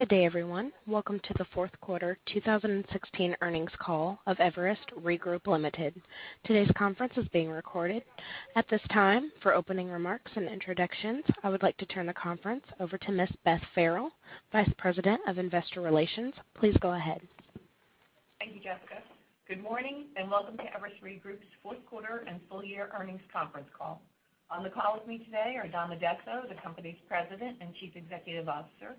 Good day, everyone. Welcome to the fourth quarter 2016 earnings call of Everest Re Group Limited. Today's conference is being recorded. At this time, for opening remarks and introductions, I would like to turn the conference over to Ms. Beth Farrell, Vice President of Investor Relations. Please go ahead. Thank you, Jessica. Good morning and welcome to Everest Re Group's fourth quarter and full year earnings conference call. On the call with me today are Don Addesso, the company's President and Chief Executive Officer,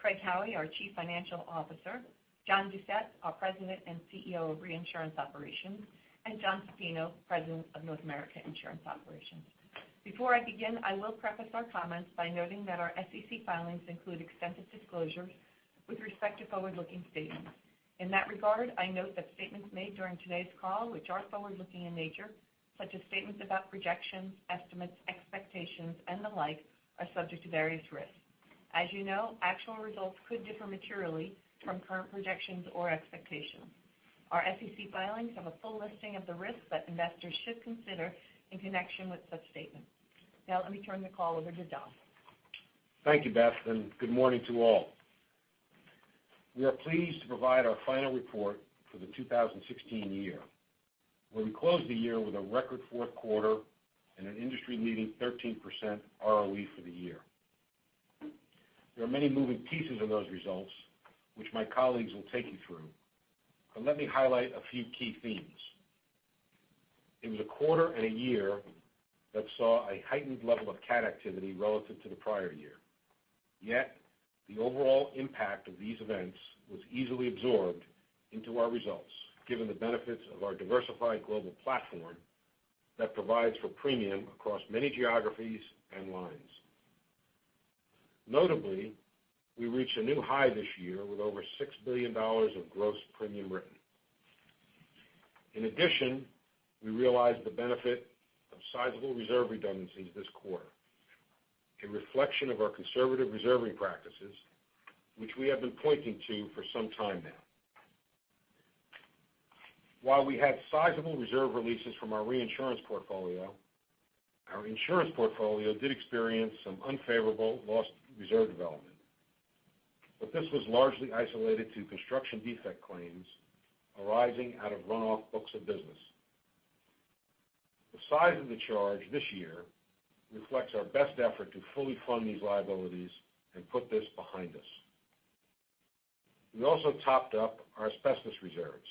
Craig Howie, our Chief Financial Officer, John Doucette, our President and CEO of Reinsurance Operations, and Jonathan Zaffino, President of North America Insurance Operations. Before I begin, I will preface our comments by noting that our SEC filings include extensive disclosures with respect to forward-looking statements. In that regard, I note that statements made during today's call, which are forward-looking in nature, such as statements about projections, estimates, expectations, and the like, are subject to various risks. As you know, actual results could differ materially from current projections or expectations. Our SEC filings have a full listing of the risks that investors should consider in connection with such statements. Now let me turn the call over to Don. Thank you, Beth, and good morning to all. We are pleased to provide our final report for the 2016 year, where we closed the year with a record fourth quarter and an industry-leading 13% ROE for the year. There are many moving pieces of those results, which my colleagues will take you through, but let me highlight a few key themes. It was a quarter and a year that saw a heightened level of cat activity relative to the prior year. Yet, the overall impact of these events was easily absorbed into our results, given the benefits of our diversified global platform that provides for premium across many geographies and lines. Notably, we reached a new high this year with over $6 billion of gross premium written. In addition, we realized the benefit of sizable reserve redundancies this quarter, a reflection of our conservative reserving practices, which we have been pointing to for some time now. While we had sizable reserve releases from our reinsurance portfolio, our insurance portfolio did experience some unfavorable loss reserve development, but this was largely isolated to construction defect claims arising out of runoff books of business. The size of the charge this year reflects our best effort to fully fund these liabilities and put this behind us. We also topped up our asbestos reserves.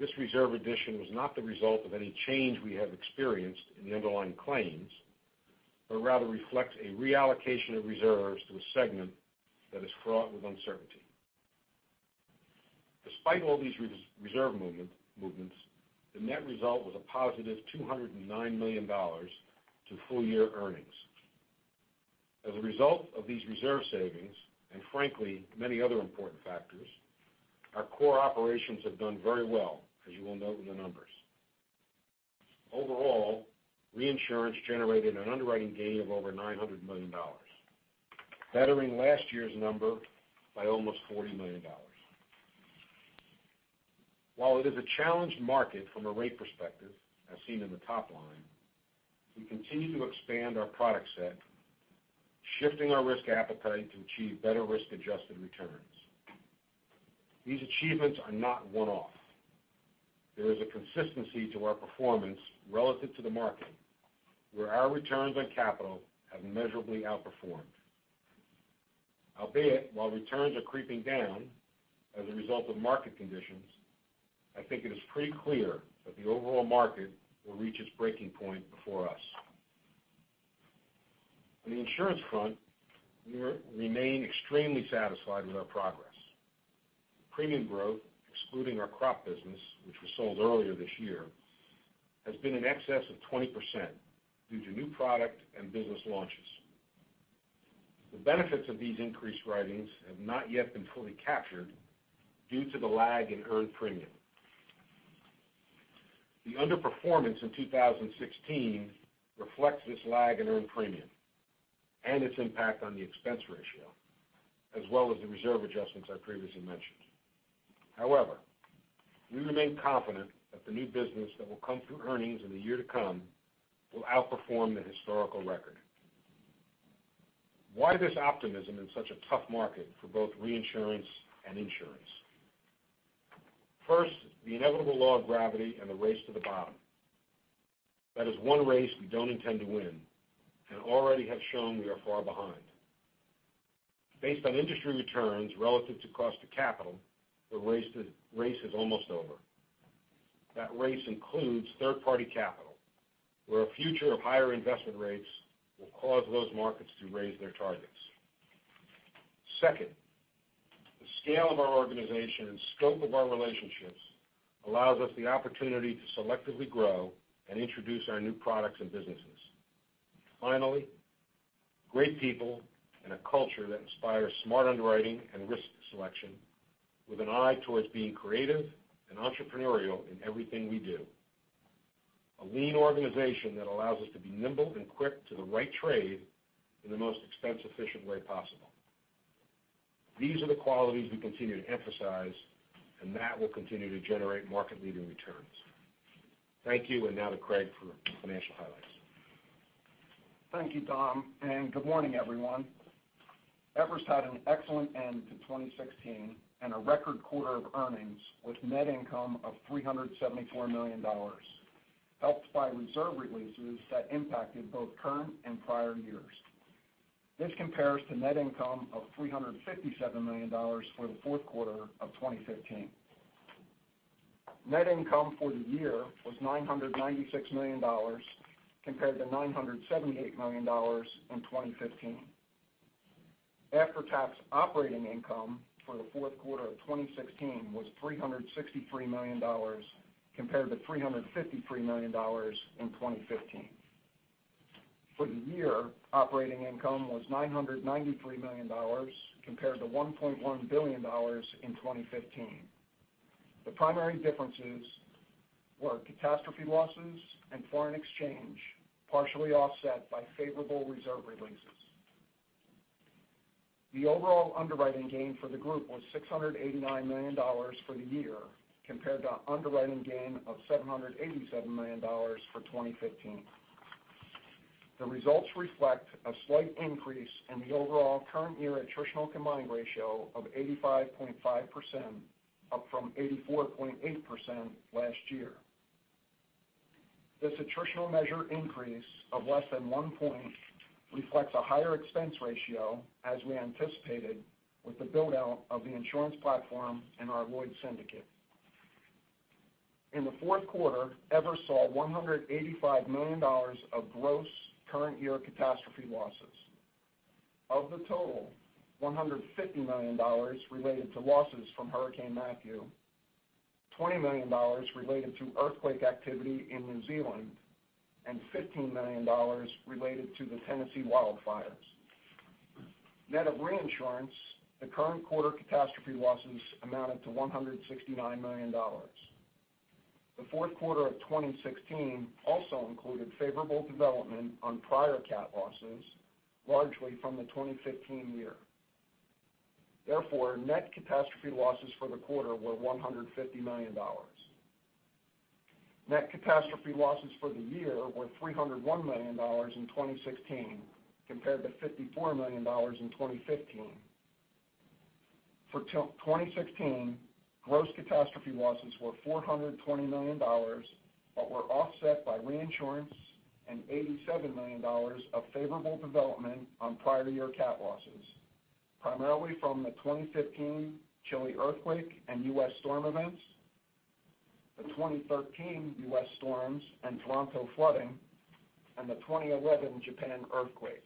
This reserve addition was not the result of any change we have experienced in the underlying claims, but rather reflects a reallocation of reserves to a segment that is fraught with uncertainty. Despite all these reserve movements, the net result was a positive $209 million to full-year earnings. As a result of these reserve savings, frankly, many other important factors, our core operations have done very well, as you will note in the numbers. Overall, reinsurance generated an underwriting gain of over $900 million, bettering last year's number by almost $40 million. While it is a challenged market from a rate perspective, as seen in the top line, we continue to expand our product set, shifting our risk appetite to achieve better risk-adjusted returns. These achievements are not one-off. There is a consistency to our performance relative to the market, where our returns on capital have measurably outperformed. Albeit, while returns are creeping down as a result of market conditions, I think it is pretty clear that the overall market will reach its breaking point before us. On the insurance front, we remain extremely satisfied with our progress. Premium growth, excluding our crop business, which was sold earlier this year, has been in excess of 20% due to new product and business launches. The benefits of these increased writings have not yet been fully captured due to the lag in earned premium. The underperformance in 2016 reflects this lag in earned premium and its impact on the expense ratio, as well as the reserve adjustments I previously mentioned. However, we remain confident that the new business that will come through earnings in the year to come will outperform the historical record. Why this optimism in such a tough market for both reinsurance and insurance? First, the inevitable law of gravity and the race to the bottom. That is one race we don't intend to win and already have shown we are far behind. Based on industry returns relative to cost of capital, the race is almost over. That race includes third-party capital, where a future of higher investment rates will cause those markets to raise their targets. Second, the scale of our organization and scope of our relationships allows us the opportunity to selectively grow and introduce our new products and businesses. Finally, great people and a culture that inspires smart underwriting and risk selection with an eye towards being creative and entrepreneurial in everything we do. A lean organization that allows us to be nimble and quick to the right trade in the most expense-efficient way possible. These are the qualities we continue to emphasize, that will continue to generate market-leading returns. Thank you, now to Craig for financial highlights. Thank you, Don, and good morning, everyone. Everest had an excellent end to 2016 and a record quarter of earnings with net income of $374 million, helped by reserve releases that impacted both current and prior years. This compares to net income of $357 million for the fourth quarter of 2015. Net income for the year was $996 million compared to $978 million in 2015. After-tax operating income for the fourth quarter of 2016 was $363 million compared to $353 million in 2015. For the year, operating income was $993 million, compared to $1.1 billion in 2015. The primary differences were catastrophe losses and foreign exchange, partially offset by favorable reserve releases. The overall underwriting gain for the group was $689 million for the year, compared to underwriting gain of $787 million for 2015. The results reflect a slight increase in the overall current year attritional combined ratio of 85.5%, up from 84.8% last year. This attritional measure increase of less than one point reflects a higher expense ratio, as we anticipated, with the build-out of the insurance platform in our Lloyd's Syndicate. In the fourth quarter, Everest saw $185 million of gross current year catastrophe losses. Of the total, $150 million related to losses from Hurricane Matthew, $20 million related to earthquake activity in New Zealand, and $15 million related to the Tennessee wildfires. Net of reinsurance, the current quarter catastrophe losses amounted to $169 million. The fourth quarter of 2016 also included favorable development on prior cat losses, largely from the 2015 year. Therefore, net catastrophe losses for the quarter were $150 million. Net catastrophe losses for the year were $301 million in 2016 compared to $54 million in 2015. For 2016, gross catastrophe losses were $420 million, but were offset by reinsurance and $87 million of favorable development on prior year cat losses, primarily from the 2015 Chile earthquake and U.S. storm events, the 2013 U.S. storms and Toronto flooding, and the 2011 Japan earthquake.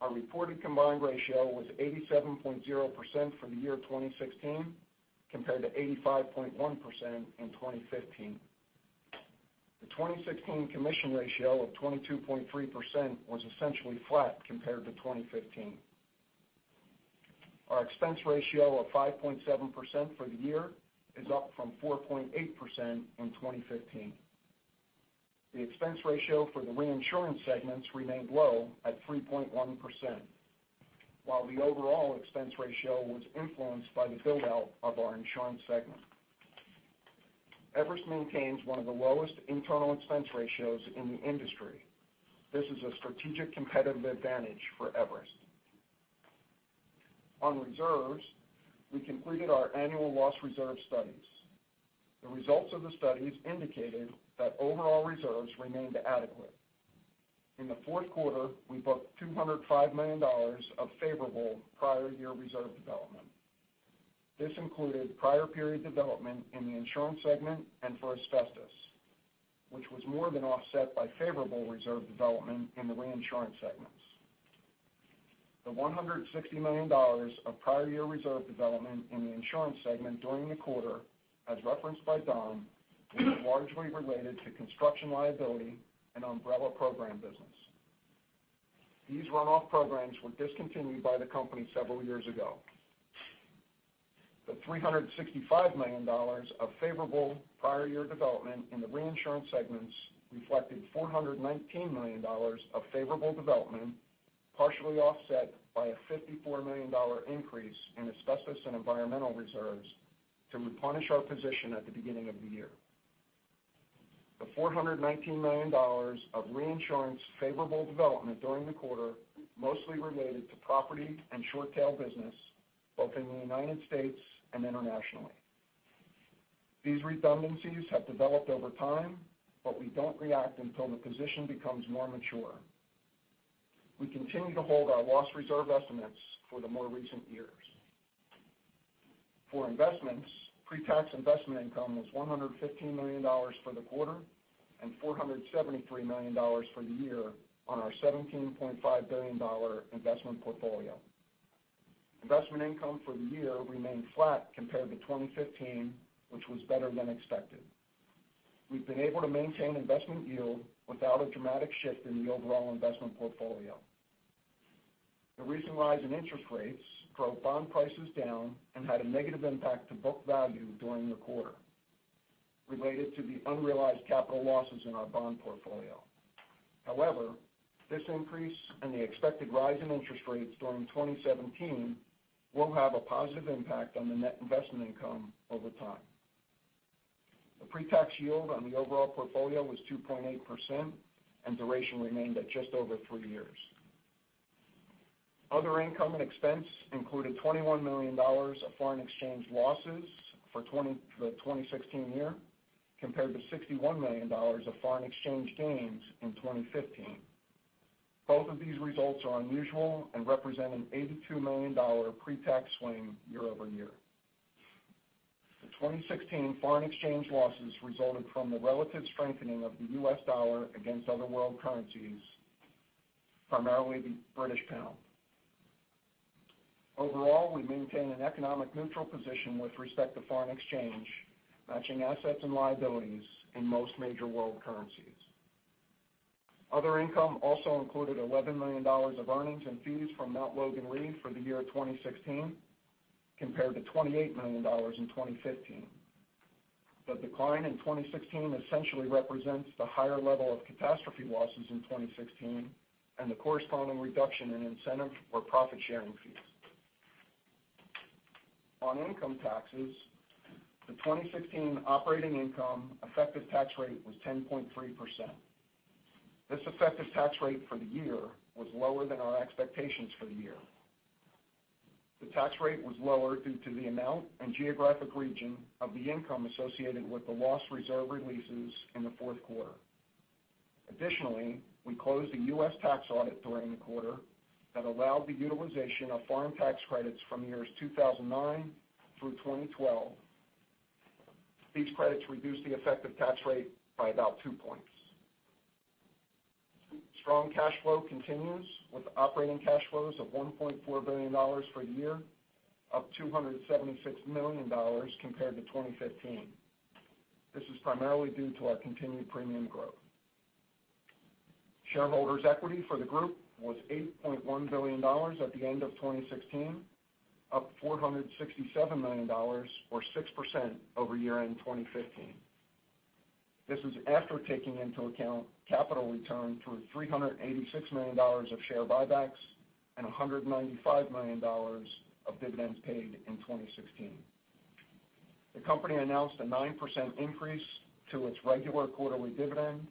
Our reported combined ratio was 87.0% for the year 2016, compared to 85.1% in 2015. The 2016 commission ratio of 22.3% was essentially flat compared to 2015. Our expense ratio of 5.7% for the year is up from 4.8% in 2015. The expense ratio for the reinsurance segments remained low at 3.1%, while the overall expense ratio was influenced by the build-out of our insurance segment. Everest maintains one of the lowest internal expense ratios in the industry. This is a strategic competitive advantage for Everest. On reserves, we completed our annual loss reserve studies. The results of the studies indicated that overall reserves remained adequate. In the fourth quarter, we booked $205 million of favorable prior year reserve development. This included prior period development in the insurance segment and for asbestos, which was more than offset by favorable reserve development in the reinsurance segments. The $160 million of prior year reserve development in the insurance segment during the quarter, as referenced by Don, was largely related to construction liability and umbrella program business. These runoff programs were discontinued by the company several years ago. The $365 million of favorable prior year development in the reinsurance segments reflected $419 million of favorable development, partially offset by a $54 million increase in asbestos and environmental reserves to replenish our position at the beginning of the year. The $419 million of reinsurance favorable development during the quarter mostly related to property and short-tail business, both in the U.S. and internationally. We don't react until the position becomes more mature. We continue to hold our loss reserve estimates for the more recent years. For investments, pre-tax investment income was $115 million for the quarter and $473 million for the year on our $17.5 billion investment portfolio. Investment income for the year remained flat compared to 2015, which was better than expected. We've been able to maintain investment yield without a dramatic shift in the overall investment portfolio. The recent rise in interest rates drove bond prices down and had a negative impact to book value during the quarter related to the unrealized capital losses in our bond portfolio. This increase and the expected rise in interest rates during 2017 will have a positive impact on the net investment income over time. The pre-tax yield on the overall portfolio was 2.8%, and duration remained at just over three years. Other income and expense included $21 million of foreign exchange losses for the 2016 year, compared to $61 million of foreign exchange gains in 2015. Both of these results are unusual and represent an $82 million pre-tax swing year-over-year. The 2016 foreign exchange losses resulted from the relative strengthening of the U.S. dollar against other world currencies, primarily the British pound. Overall, we maintain an economic neutral position with respect to foreign exchange, matching assets and liabilities in most major world currencies. Other income also included $11 million of earnings and fees from Mt. Logan Re for the year 2016, compared to $28 million in 2015. The decline in 2016 essentially represents the higher level of catastrophe losses in 2016 and the corresponding reduction in incentive or profit-sharing fees. On income taxes, the 2016 operating income effective tax rate was 10.3%. This effective tax rate for the year was lower than our expectations for the year. The tax rate was lower due to the amount and geographic region of the income associated with the loss reserve releases in the fourth quarter. Additionally, we closed a U.S. tax audit during the quarter that allowed the utilization of foreign tax credits from the years 2009 through 2012. These credits reduced the effective tax rate by about two points. Strong cash flow continues, with operating cash flows of $1.4 billion for the year, up $276 million compared to 2015. This is primarily due to our continued premium growth. Shareholders' equity for the group was $8.1 billion at the end of 2016, up $467 million, or 6%, over year-end 2015. This is after taking into account capital returned through $386 million of share buybacks and $195 million of dividends paid in 2016. The company announced a 9% increase to its regular quarterly dividend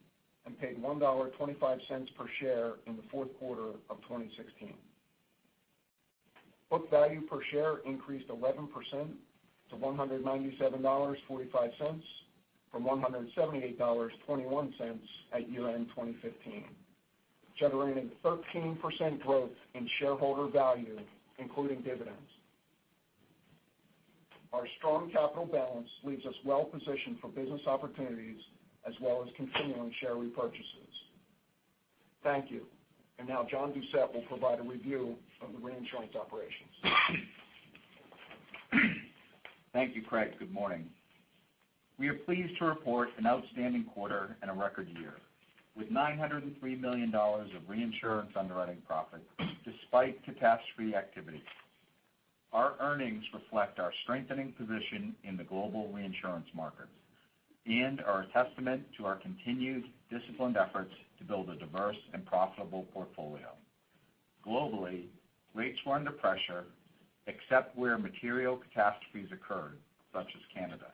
and paid $1.25 per share in the fourth quarter of 2016. Book value per share increased 11% to $197.45 from $178.21 at year-end 2015, generating 13% growth in shareholder value, including dividends. Our strong capital balance leaves us well positioned for business opportunities, as well as continuing share repurchases. Thank you. Now John Doucette will provide a review of the reinsurance operations. Thank you, Craig. Good morning. We are pleased to report an outstanding quarter and a record year, with $903 million of reinsurance underwriting profit despite catastrophe activity. Our earnings reflect our strengthening position in the global reinsurance markets and are a testament to our continued disciplined efforts to build a diverse and profitable portfolio. Globally, rates were under pressure except where material catastrophes occurred, such as Canada.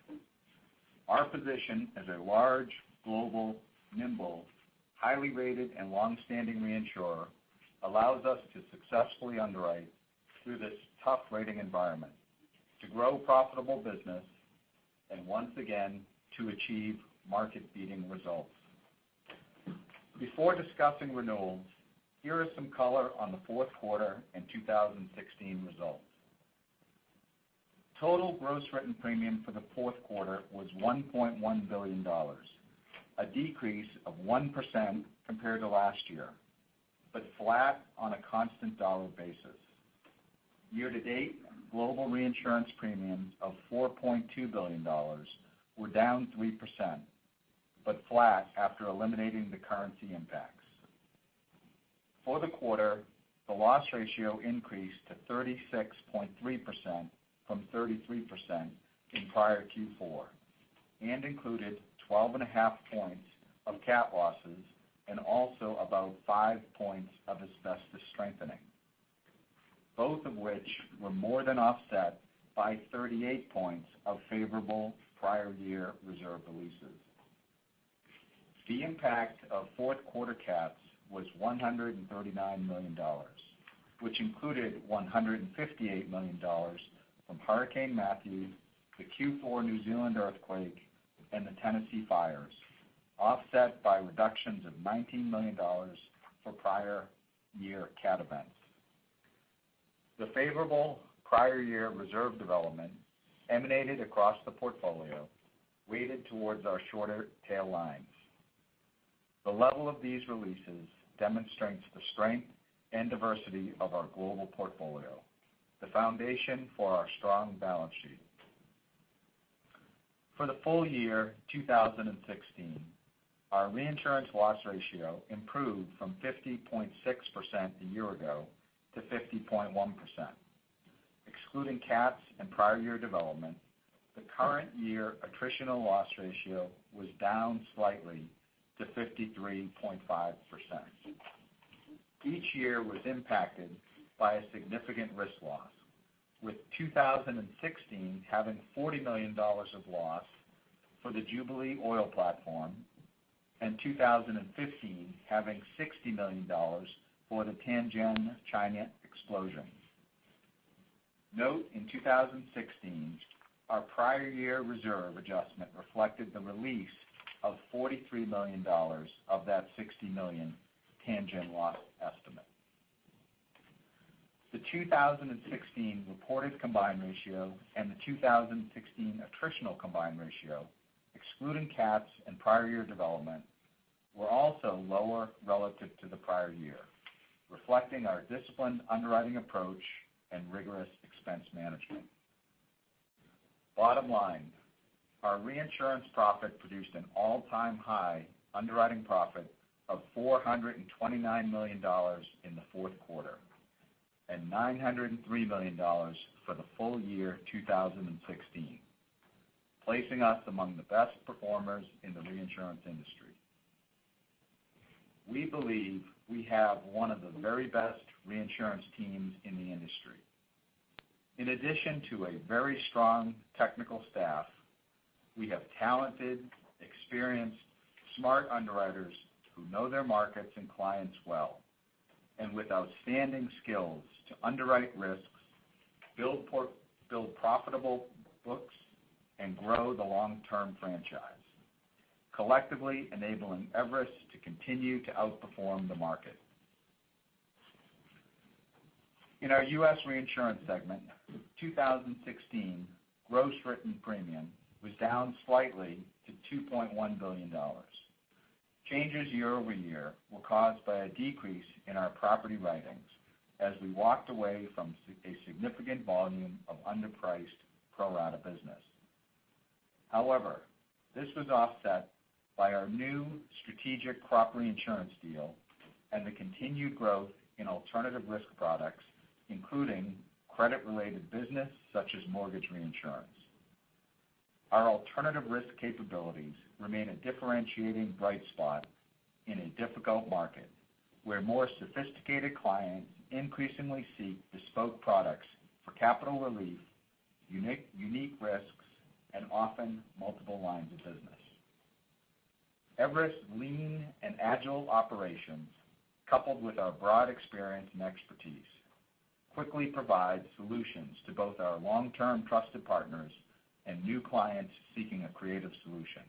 Our position as a large, global, nimble, highly rated, and longstanding reinsurer allows us to successfully underwrite through this tough trading environment to grow profitable business and once again, to achieve market-beating results. Before discussing renewals, here is some color on the fourth quarter and 2016 results. Total gross written premium for the fourth quarter was $1.1 billion, a decrease of 1% compared to last year. Flat on a constant dollar basis. Year to date, global reinsurance premiums of $4.2 billion were down 3%. Flat after eliminating the currency impacts. For the quarter, the loss ratio increased to 36.3% from 33% in prior Q4 and included 12 and a half points of cat losses and also about 5 points of asbestos strengthening, both of which were more than offset by 38 points of favorable prior year reserve releases. The impact of fourth quarter cats was $139 million, which included $158 million from Hurricane Matthew, the Q4 New Zealand earthquake, and the Tennessee fires, offset by reductions of $19 million for prior year cat events. The favorable prior year reserve development emanated across the portfolio, weighted towards our shorter tail lines. The level of these releases demonstrates the strength and diversity of our global portfolio, the foundation for our strong balance sheet. For the full year 2016, our reinsurance loss ratio improved from 50.6% a year ago to 50.1%. Excluding cats and prior year development, the current year attritional loss ratio was down slightly to 53.5%. Each year was impacted by a significant risk loss, with 2016 having $40 million of loss for the Jubilee oil platform and 2015 having $60 million for the Tianjin, China explosion. Note in 2016, our prior year reserve adjustment reflected the release of $43 million of that $60 million Tianjin loss estimate. The 2016 reported combined ratio and the 2016 attritional combined ratio, excluding cats and prior year development, were also lower relative to the prior year, reflecting our disciplined underwriting approach and rigorous expense management. Bottom line, our reinsurance profit produced an all-time high underwriting profit of $429 million in the fourth quarter and $903 million for the full year 2016, placing us among the best performers in the reinsurance industry. We believe we have one of the very best reinsurance teams in the industry. In addition to a very strong technical staff, we have talented, experienced, smart underwriters who know their markets and clients well, and with outstanding skills to underwrite risks, build profitable books, and grow the long-term franchise, collectively enabling Everest to continue to outperform the market. In our U.S. reinsurance segment, 2016 gross written premium was down slightly to $2.1 billion. Changes year-over-year were caused by a decrease in our property writings as we walked away from a significant volume of underpriced pro-rata business. This was offset by our new strategic crop reinsurance deal and the continued growth in alternative risk products, including credit-related business such as mortgage reinsurance. Our alternative risk capabilities remain a differentiating bright spot in a difficult market, where more sophisticated clients increasingly seek bespoke products for capital relief, unique risks, and often multiple lines of business. Everest's lean and agile operations, coupled with our broad experience and expertise, quickly provide solutions to both our long-term trusted partners and new clients seeking a creative solution.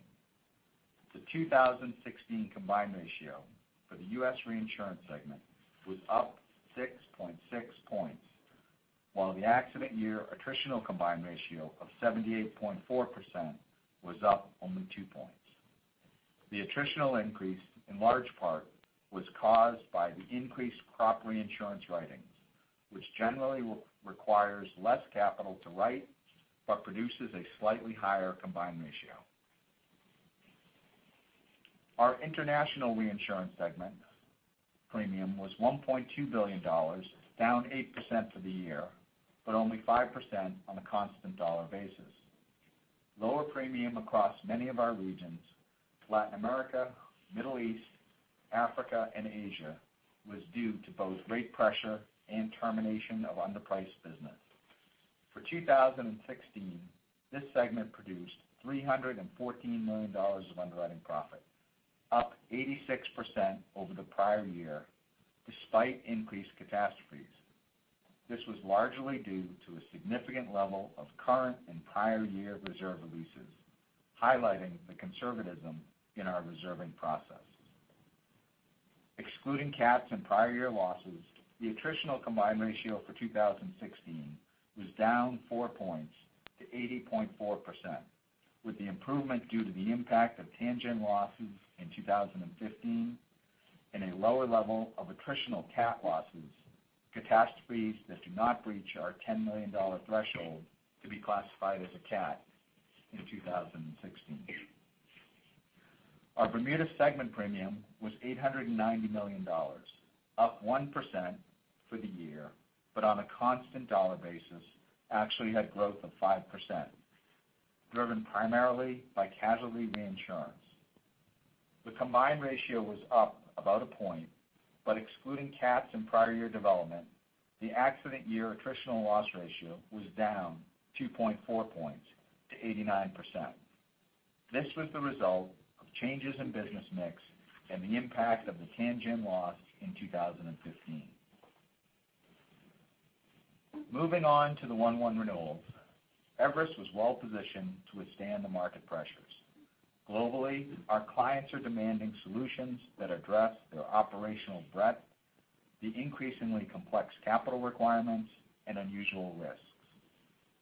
The 2016 combined ratio for the U.S. reinsurance segment was up 6.6 points, while the accident year attritional combined ratio of 78.4% was up only two points. The attritional increase in large part was caused by the increased crop reinsurance writings, which generally requires less capital to write but produces a slightly higher combined ratio. Our international reinsurance segment premium was $1.2 billion, down 8% for the year, but only 5% on a constant dollar basis. Lower premium across many of our regions, Latin America, Middle East, Africa, and Asia, was due to both rate pressure and termination of underpriced business. For 2016, this segment produced $314 million of underwriting profit, up 86% over the prior year, despite increased catastrophes. This was largely due to a significant level of current and prior year reserve releases, highlighting the conservatism in our reserving process. Excluding cats and prior year losses, the attritional combined ratio for 2016 was down four points to 80.4%, with the improvement due to the impact of Tianjin losses in 2015 and a lower level of attritional cat losses, catastrophes that do not breach our $10 million threshold to be classified as a cat in 2016. Our Bermuda segment premium was $890 million, up 1% for the year, but on a constant dollar basis, actually had growth of 5%, driven primarily by casualty reinsurance. The combined ratio was up about one point, but excluding cats and prior year development, the accident year attritional loss ratio was down 2.4 points to 89%. This was the result of changes in business mix and the impact of the Tianjin loss in 2015. Moving on to the 1/1 renewals. Everest was well positioned to withstand the market pressures. Globally, our clients are demanding solutions that address their operational breadth, the increasingly complex capital requirements and unusual risks.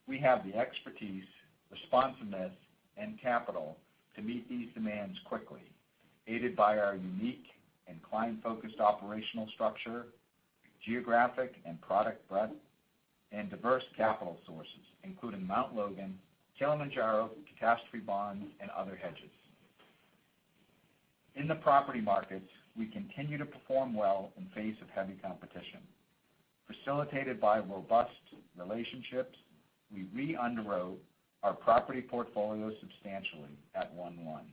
We have the expertise, responsiveness, and capital to meet these demands quickly, aided by our unique and client-focused operational structure, geographic and product breadth, and diverse capital sources, including Mount Logan, Kilimanjaro catastrophe bonds, and other hedges. In the property markets, we continue to perform well in face of heavy competition. Facilitated by robust relationships, we re-underwrote our property portfolio substantially at 1/1.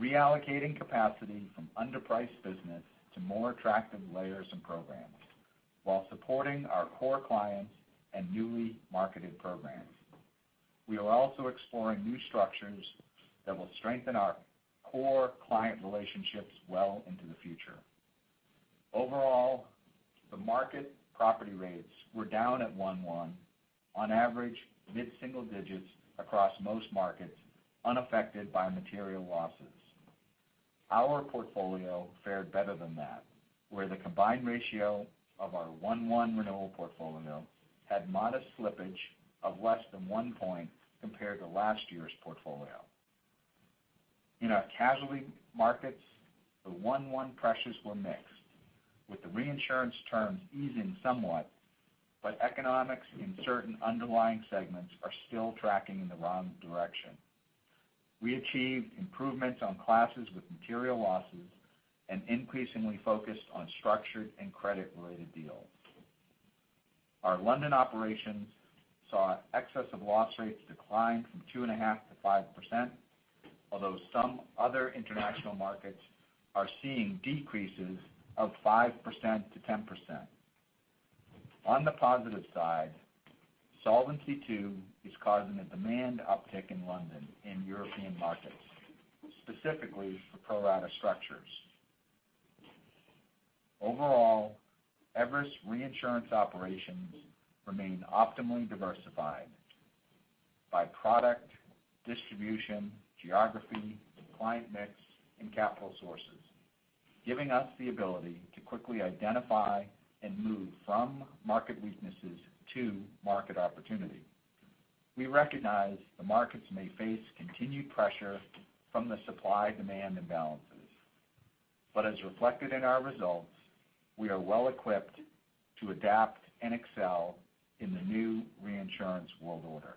Reallocating capacity from underpriced business to more attractive layers and programs while supporting our core clients and newly marketed programs. We are also exploring new structures that will strengthen our core client relationships well into the future. Overall, the market property rates were down at 1/1, on average mid-single digits across most markets, unaffected by material losses. Our portfolio fared better than that, where the combined ratio of our 1/1 renewal portfolio had modest slippage of less than one point compared to last year's portfolio. In our casualty markets, the 1/1 pressures were mixed, with the reinsurance terms easing somewhat, but economics in certain underlying segments are still tracking in the wrong direction. We achieved improvements on classes with material losses, increasingly focused on structured and credit-related deals. Our London operations saw excess of loss rates decline from 2.5%-5%, although some other international markets are seeing decreases of 5%-10%. On the positive side, Solvency II is causing a demand uptick in London in European markets, specifically for pro-rata structures. Overall, Everest Reinsurance operations remain optimally diversified by product, distribution, geography, client mix, and capital sources, giving us the ability to quickly identify and move from market weaknesses to market opportunity. We recognize the markets may face continued pressure from the supply-demand imbalances. As reflected in our results, we are well-equipped to adapt and excel in the new reinsurance world order.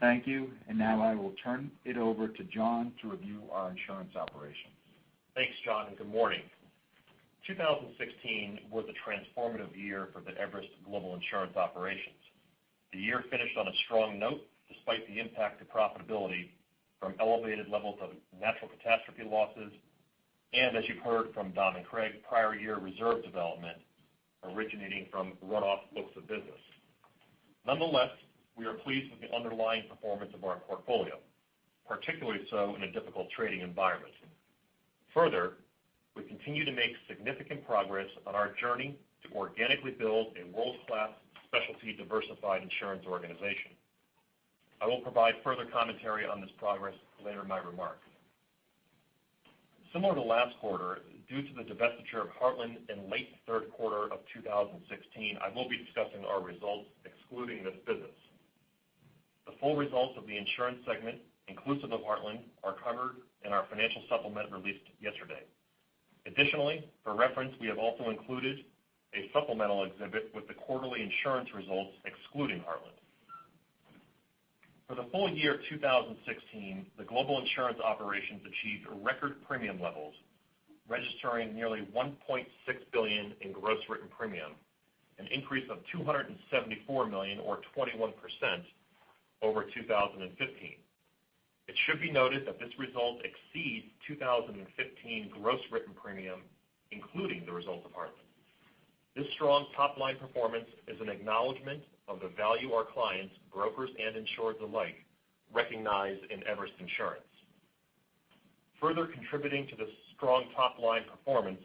Thank you. Now I will turn it over to John to review our insurance operations. Thanks, John, good morning. 2016 was a transformative year for the Everest global insurance operations. The year finished on a strong note, despite the impact to profitability from elevated levels of natural catastrophe losses, and as you've heard from Don and Craig, prior year reserve development originating from runoff books of business. Nonetheless, we are pleased with the underlying performance of our portfolio, particularly so in a difficult trading environment. Further, we continue to make significant progress on our journey to organically build a world-class specialty diversified insurance organization. I will provide further commentary on this progress later in my remarks. Similar to last quarter, due to the divestiture of Heartland in late third quarter of 2016, I will be discussing our results excluding this business. The full results of the insurance segment, inclusive of Heartland, are covered in our financial supplement released yesterday. Additionally, for reference, we have also included a supplemental exhibit with the quarterly insurance results excluding Heartland. For the full year of 2016, the global insurance operations achieved record premium levels, registering nearly $1.6 billion in gross written premium, an increase of $274 million or 21% over 2015. It should be noted that this result exceeds 2015 gross written premium, including the results of Heartland. This strong top-line performance is an acknowledgment of the value our clients, brokers, and insurers alike, recognize in Everest Insurance. Further contributing to the strong top-line performance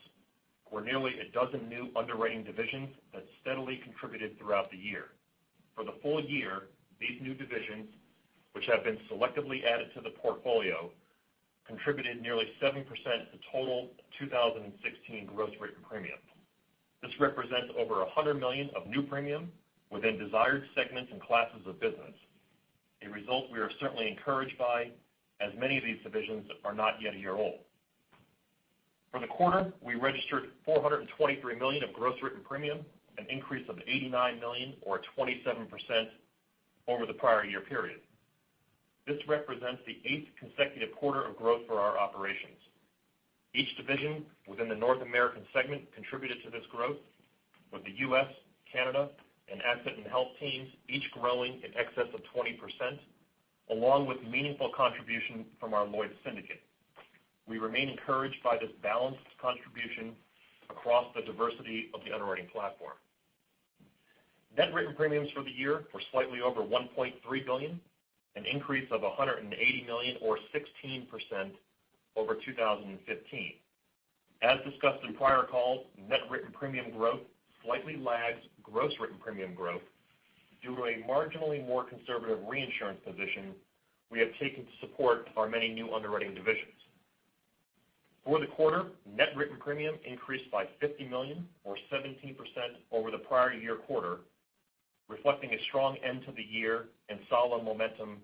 were nearly a dozen new underwriting divisions that steadily contributed throughout the year. For the full year, these new divisions, which have been selectively added to the portfolio, contributed nearly 7% to total 2016 gross written premium. This represents over $100 million of new premium within desired segments and classes of business. A result we are certainly encouraged by, as many of these divisions are not yet a year old. For the quarter, we registered $423 million of gross written premium, an increase of $89 million or 27% over the prior year period. This represents the eighth consecutive quarter of growth for our operations. Each division within the North American segment contributed to this growth with the U.S., Canada, and asset and health teams each growing in excess of 20%, along with meaningful contribution from our Lloyd's Syndicate. We remain encouraged by this balanced contribution across the diversity of the underwriting platform. Net written premiums for the year were slightly over $1.3 billion, an increase of $180 million or 16% over 2015. As discussed in prior calls, net written premium growth slightly lags gross written premium growth due to a marginally more conservative reinsurance position we have taken to support our many new underwriting divisions. For the quarter, net written premium increased by $50 million or 17% over the prior year quarter, reflecting a strong end to the year and solid momentum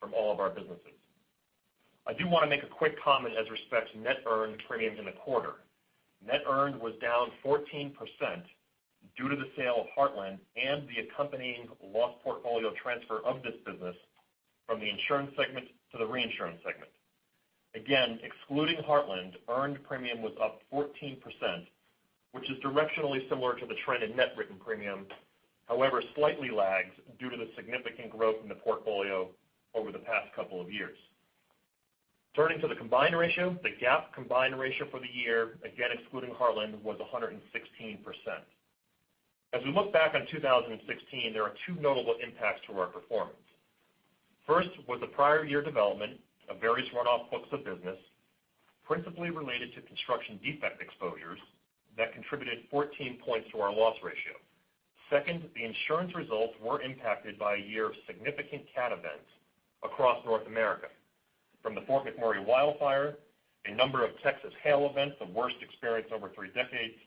from all of our businesses. I do want to make a quick comment as respects net earned premiums in the quarter. Net earned was down 14% due to the sale of Heartland and the accompanying loss portfolio transfer of this business from the insurance segment to the reinsurance segment. Again, excluding Heartland, earned premium was up 14%, which is directionally similar to the trend in net written premium. However, slightly lags due to the significant growth in the portfolio over the past couple of years. Turning to the combined ratio, the GAAP combined ratio for the year, again excluding Heartland, was 116%. As we look back on 2016, there are two notable impacts to our performance. First was the prior year development of various runoff books of business, principally related to construction defect exposures that contributed 14 points to our loss ratio. Second, the insurance results were impacted by a year of significant cat events across North America, from the Fort McMurray wildfire, a number of Texas hail events, the worst experienced over three decades,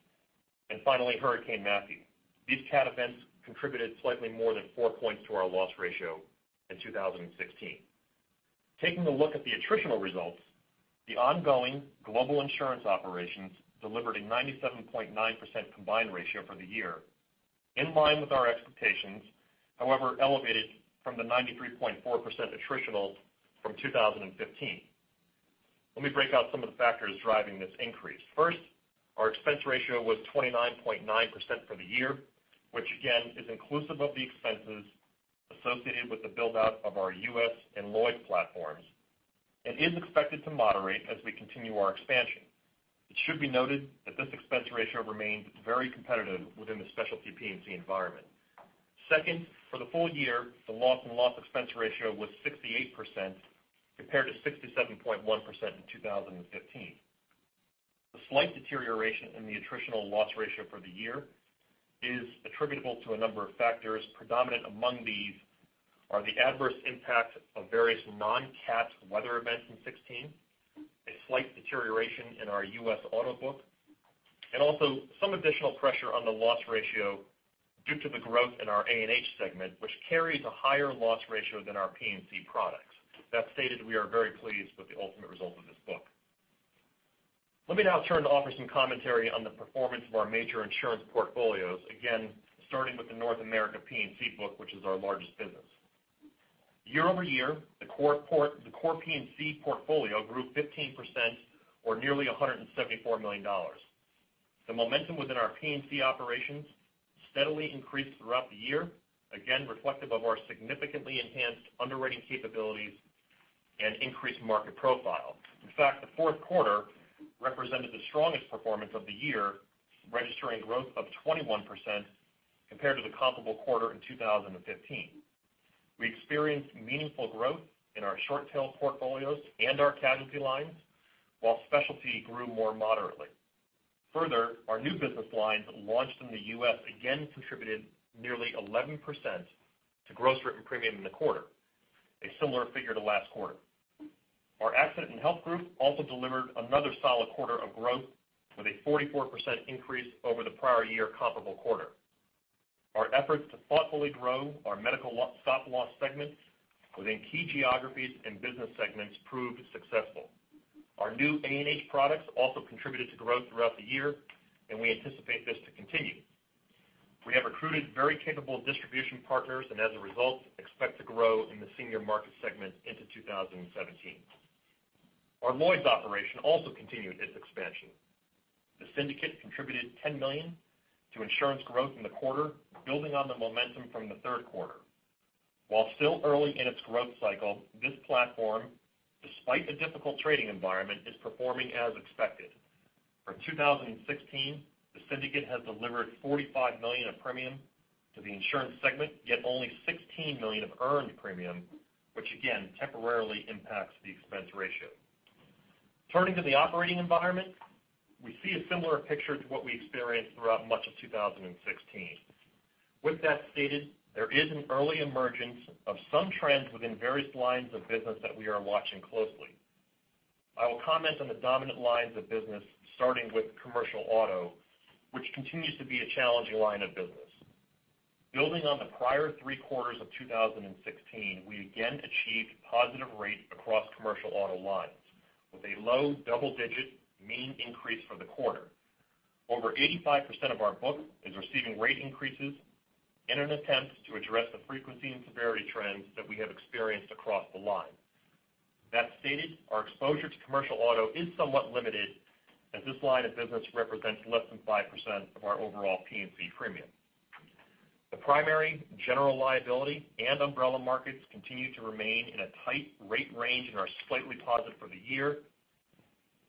and finally, Hurricane Matthew. These cat events contributed slightly more than four points to our loss ratio in 2016. Taking a look at the attritional results, the ongoing global insurance operations delivered a 97.9% combined ratio for the year, in line with our expectations, however, elevated from the 93.4% attritional from 2015. Let me break out some of the factors driving this increase. First, our expense ratio was 29.9% for the year, which again, is inclusive of the expenses associated with the build-out of our U.S. and Lloyd platforms, and is expected to moderate as we continue our expansion. It should be noted that this expense ratio remains very competitive within the specialty P&C environment. Second, for the full year, the loss in loss expense ratio was 68% compared to 67.1% in 2015. The slight deterioration in the attritional loss ratio for the year is attributable to a number of factors. Predominant among these are the adverse impact of various non-cat weather events in 2016, a slight deterioration in our U.S. auto book, and also some additional pressure on the loss ratio due to the growth in our A&H segment, which carries a higher loss ratio than our P&C products. That stated, we are very pleased with the ultimate result of this book. Let me now turn to offer some commentary on the performance of our major insurance portfolios, again, starting with the North America P&C book, which is our largest business. Year-over-year, the core P&C portfolio grew 15%, or nearly $174 million. The momentum within our P&C operations steadily increased throughout the year, again reflective of our significantly enhanced underwriting capabilities and increased market profile. In fact, the fourth quarter represented the strongest performance of the year, registering growth of 21% compared to the comparable quarter in 2015. We experienced meaningful growth in our short-tail portfolios and our casualty lines, while specialty grew more moderately. Further, our new business lines launched in the U.S. again contributed nearly 11% to gross written premium in the quarter, a similar figure to last quarter. Our A&H group also delivered another solid quarter of growth with a 44% increase over the prior year comparable quarter. Our efforts to thoughtfully grow our medical stop loss segments within key geographies and business segments proved successful. Our new A&H products also contributed to growth throughout the year, and we anticipate this to continue. We have recruited very capable distribution partners, and as a result, expect to grow in the senior market segment into 2017. Our Lloyd's operation also continued its expansion. The syndicate contributed $10 million to insurance growth in the quarter, building on the momentum from the third quarter. While still early in its growth cycle, this platform, despite a difficult trading environment, is performing as expected. For 2016, the syndicate has delivered $45 million of premium to the insurance segment, yet only $16 million of earned premium, which again temporarily impacts the expense ratio. Turning to the operating environment, we see a similar picture to what we experienced throughout much of 2016. With that stated, there is an early emergence of some trends within various lines of business that we are watching closely. I will comment on the dominant lines of business, starting with commercial auto, which continues to be a challenging line of business. Building on the prior three quarters of 2016, we again achieved positive rate across commercial auto lines with a low double-digit mean increase for the quarter. Over 85% of our book is receiving rate increases in an attempt to address the frequency and severity trends that we have experienced across the line. That stated, our exposure to commercial auto is somewhat limited as this line of business represents less than 5% of our overall P&C premium. The primary general liability and umbrella markets continue to remain in a tight rate range and are slightly positive for the year.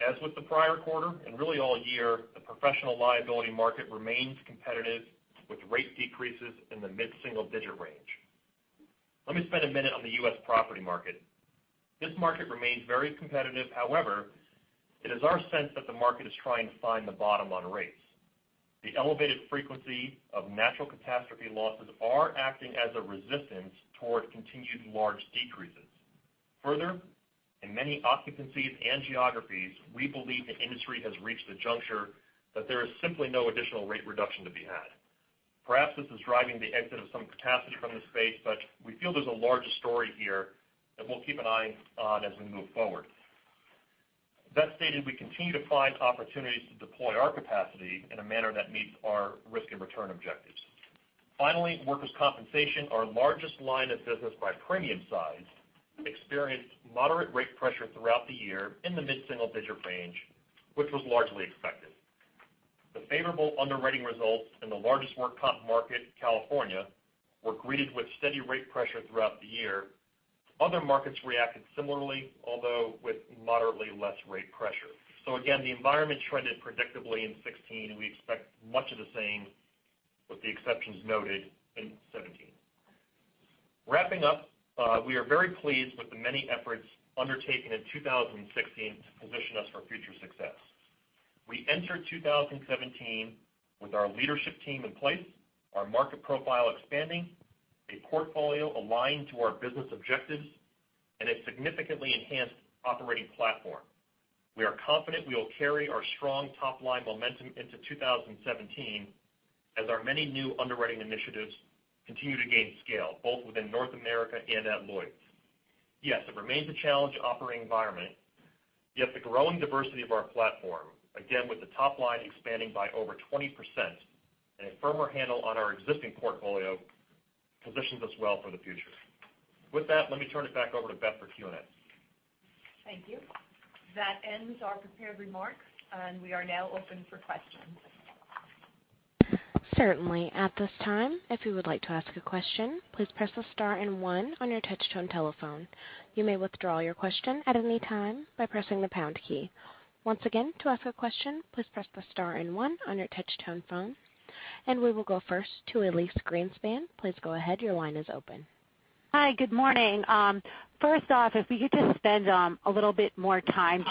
As with the prior quarter, and really all year, the professional liability market remains competitive with rate decreases in the mid-single digit range. Let me spend a minute on the U.S. property market. This market remains very competitive. However, it is our sense that the market is trying to find the bottom on rates. The elevated frequency of natural catastrophe losses are acting as a resistance toward continued large decreases. Further, in many occupancies and geographies, we believe the industry has reached the juncture that there is simply no additional rate reduction to be had. Perhaps this is driving the exit of some capacity from the space, but we feel there's a larger story here that we'll keep an eye on as we move forward. That stated, we continue to find opportunities to deploy our capacity in a manner that meets our risk and return objectives. Finally, workers' compensation, our largest line of business by premium size, experienced moderate rate pressure throughout the year in the mid-single-digit range, which was largely expected. The favorable underwriting results in the largest work comp market, California, were greeted with steady rate pressure throughout the year. Other markets reacted similarly, although with moderately less rate pressure. So again, the environment trended predictably in 2016, and we expect much of the same, with the exceptions noted, in 2017. Wrapping up, we are very pleased with the many efforts undertaken in 2016 to position us for future success. We enter 2017 with our leadership team in place, our market profile expanding, a portfolio aligned to our business objectives, and a significantly enhanced operating platform. We are confident we will carry our strong top-line momentum into 2017 as our many new underwriting initiatives continue to gain scale, both within North America and at Lloyd's. Yes, it remains a challenge operating environment, yet the growing diversity of our platform, again, with the top line expanding by over 20% and a firmer handle on our existing portfolio, positions us well for the future. With that, let me turn it back over to Beth for Q&A. Thank you. That ends our prepared remarks. We are now open for questions. Certainly. At this time, if you would like to ask a question, please press the star and one on your touch-tone telephone. You may withdraw your question at any time by pressing the pound key. Once again, to ask a question, please press the star and one on your touch-tone phone. We will go first to Elyse Greenspan. Please go ahead. Your line is open. Hi, good morning. First off, if we could just spend a little bit more time.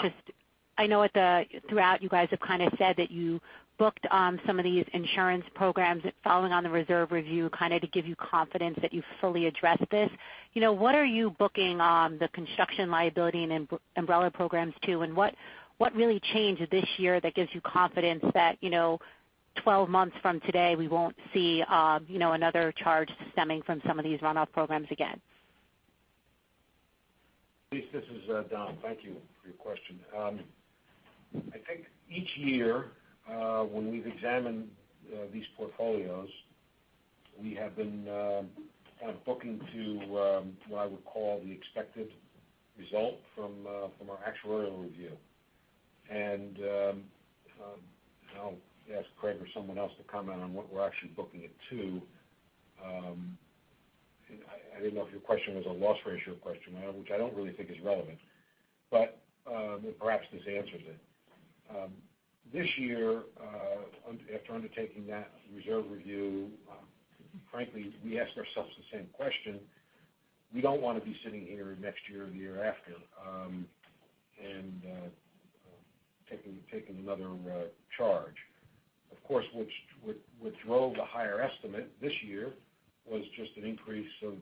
I know at the throughout you guys have said that you booked some of these insurance programs following on the reserve review to give you confidence that you fully addressed this. What are you booking on the construction liability and umbrella programs too? What really changed this year that gives you confidence that 12 months from today, we won't see another charge stemming from some of these runoff programs again? Elyse, this is Don. Thank you for your question. I think each year, when we've examined these portfolios, we have been kind of booking to what I would call the expected result from our actuarial review. I'll ask Craig or someone else to comment on what we're actually booking it to. I didn't know if your question was a loss ratio question, which I don't really think is relevant. Perhaps this answers it. This year, after undertaking that reserve review, frankly, we asked ourselves the same question. We don't want to be sitting here next year or the year after and taking another charge. Of course, what drove the higher estimate this year was just an increase of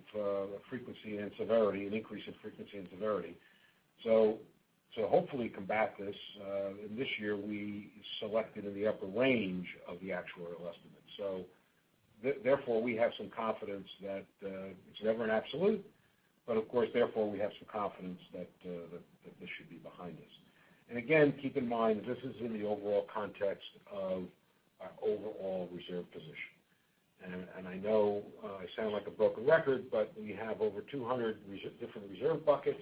frequency and severity. Hopefully combat this, in this year, we selected in the upper range of the actuarial estimate. Therefore, we have some confidence that it's never an absolute, but of course, therefore, we have some confidence that this should be behind us. Again, keep in mind, this is in the overall context of our overall reserve position. I know I sound like a broken record, but we have over 200 different reserve buckets,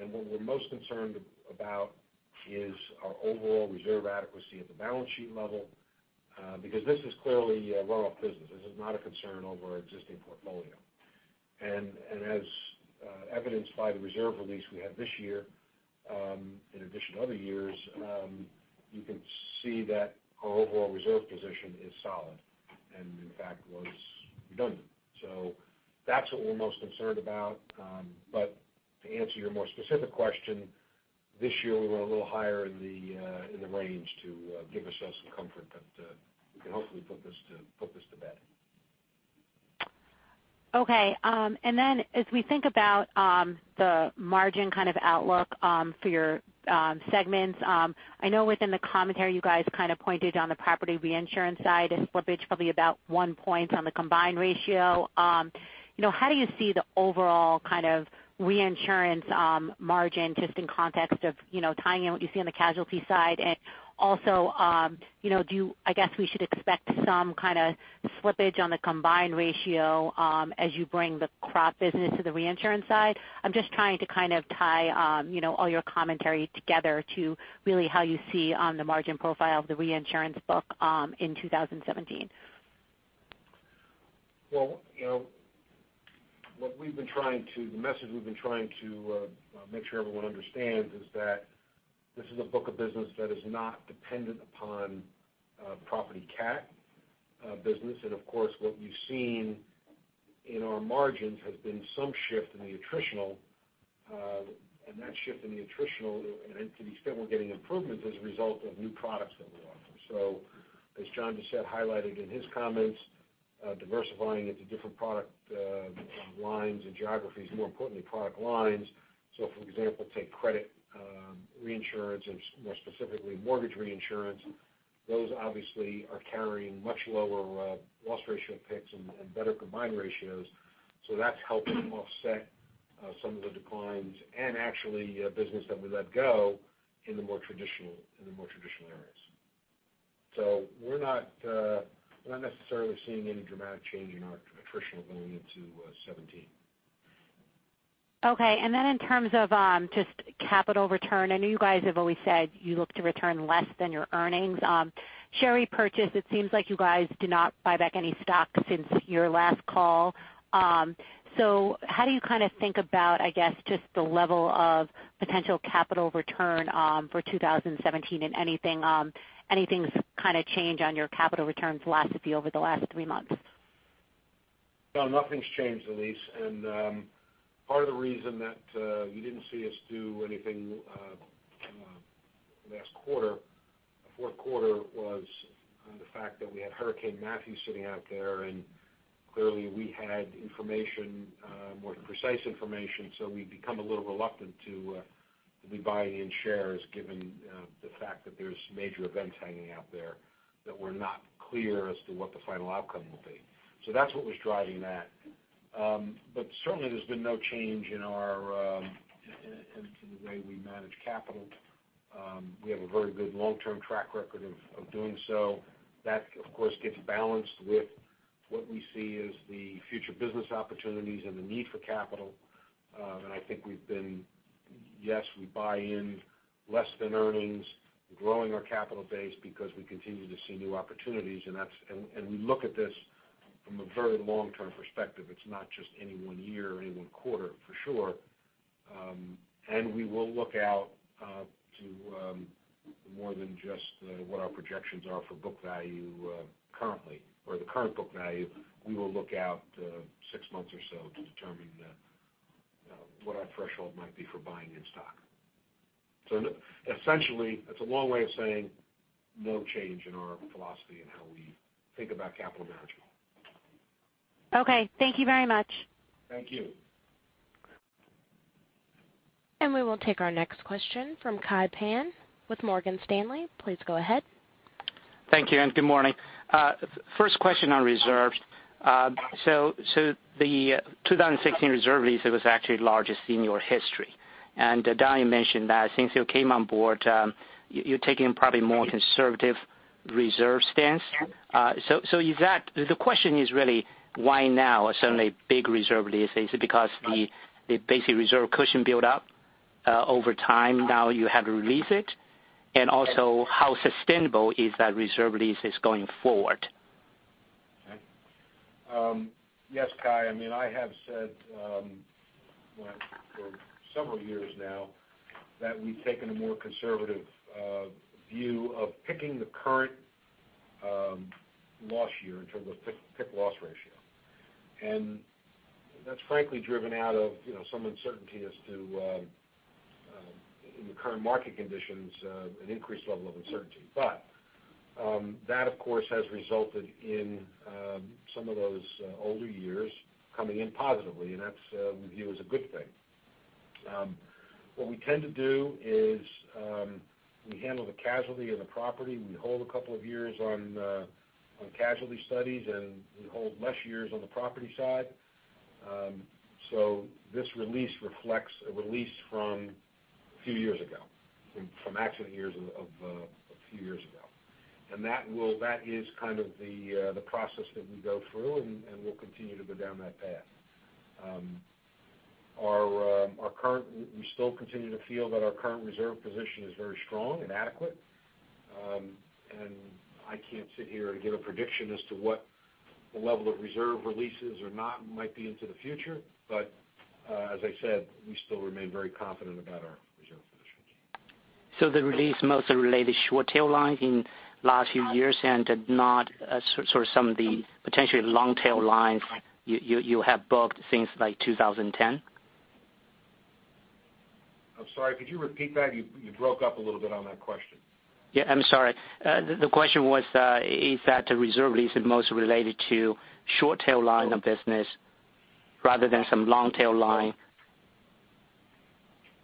and what we're most concerned about is our overall reserve adequacy at the balance sheet level because this is clearly a runoff business. This is not a concern over our existing portfolio. As evidenced by the reserve release we had this year, in addition to other years, you can see that our overall reserve position is solid and in fact was redundant. That's what we're most concerned about. To answer your more specific question, this year we're a little higher in the range to give us some comfort that we can hopefully put this to bed. Okay. Then as we think about the margin kind of outlook for your segments, I know within the commentary, you guys kind of pointed on the property reinsurance side, a slippage probably about one point on the combined ratio. How do you see the overall kind of reinsurance margin just in context of tying in what you see on the casualty side? Also, I guess we should expect some kind of slippage on the combined ratio as you bring the crop business to the reinsurance side? I'm just trying to kind of tie all your commentary together to really how you see on the margin profile of the reinsurance book in 2017. Well, the message we've been trying to make sure everyone understands is that this is a book of business that is not dependent upon property cat business. Of course, what we've seen in our margins has been some shift in the attritional, and that shift in the attritional, and to the extent we're getting improvements, is a result of new products that we offer. As John just highlighted in his comments, diversifying into different product lines and geographies, more importantly, product lines. For example, take credit reinsurance, and more specifically, mortgage reinsurance. Those obviously are carrying much lower loss ratio picks and better combined ratios. That's helping offset Some of the declines and actually business that we let go in the more traditional areas. We're not necessarily seeing any dramatic change in our attrition going into 2017. Okay. In terms of just capital return, I know you guys have always said you look to return less than your earnings. Share repurchase, it seems like you guys did not buy back any stock since your last call. How do you think about, I guess, just the level of potential capital return for 2017 and anything's kind of change on your capital returns philosophy over the last three months? No, nothing's changed, Elyse. Part of the reason that you didn't see us do anything last quarter, fourth quarter, was the fact that we had Hurricane Matthew sitting out there, and clearly we had more precise information, we've become a little reluctant to be buying in shares given the fact that there's major events hanging out there that we're not clear as to what the final outcome will be. That's what was driving that. Certainly there's been no change in the way we manage capital. We have a very good long-term track record of doing so. That, of course, gets balanced with what we see as the future business opportunities and the need for capital. I think we've been, yes, we buy in less than earnings. We're growing our capital base because we continue to see new opportunities, we look at this from a very long-term perspective. It's not just any one year or any one quarter, for sure. We will look out to more than just what our projections are for book value currently or the current book value. We will look out six months or so to determine what our threshold might be for buying in stock. Essentially, that's a long way of saying no change in our philosophy and how we think about capital management. Okay. Thank you very much. Thank you. We will take our next question from Kai Pan with Morgan Stanley. Please go ahead. Thank you, and good morning. First question on reserves. The 2016 reserve release, it was actually the largest in your history. Don, you mentioned that since you came on board, you're taking probably more conservative reserve stance. The question is really why now suddenly big reserve releases? Is it because the basic reserve cushion build up over time, now you have to release it? Also, how sustainable is that reserve releases going forward? Yes, Kai, I have said for several years now that we've taken a more conservative view of picking the current loss year in terms of pick loss ratio. That's frankly driven out of some uncertainty as to in the current market conditions, an increased level of uncertainty. That, of course, has resulted in some of those older years coming in positively, and that's we view as a good thing. What we tend to do is we handle the casualty and the property. We hold a couple of years on casualty studies, and we hold less years on the property side. This release reflects a release from a few years ago, from accident years of a few years ago. That is kind of the process that we go through, and we'll continue to go down that path. We still continue to feel that our current reserve position is very strong and adequate. I can't sit here and give a prediction as to what the level of reserve releases or not might be into the future. As I said, we still remain very confident about our reserve positions. The release mostly related short tail lines in last few years and did not sort of some of the potentially long tail lines you have booked since like 2010? I'm sorry, could you repeat that? You broke up a little bit on that question. Yeah, I'm sorry. The question was, is that reserve release is most related to short tail line of business rather than some long tail line?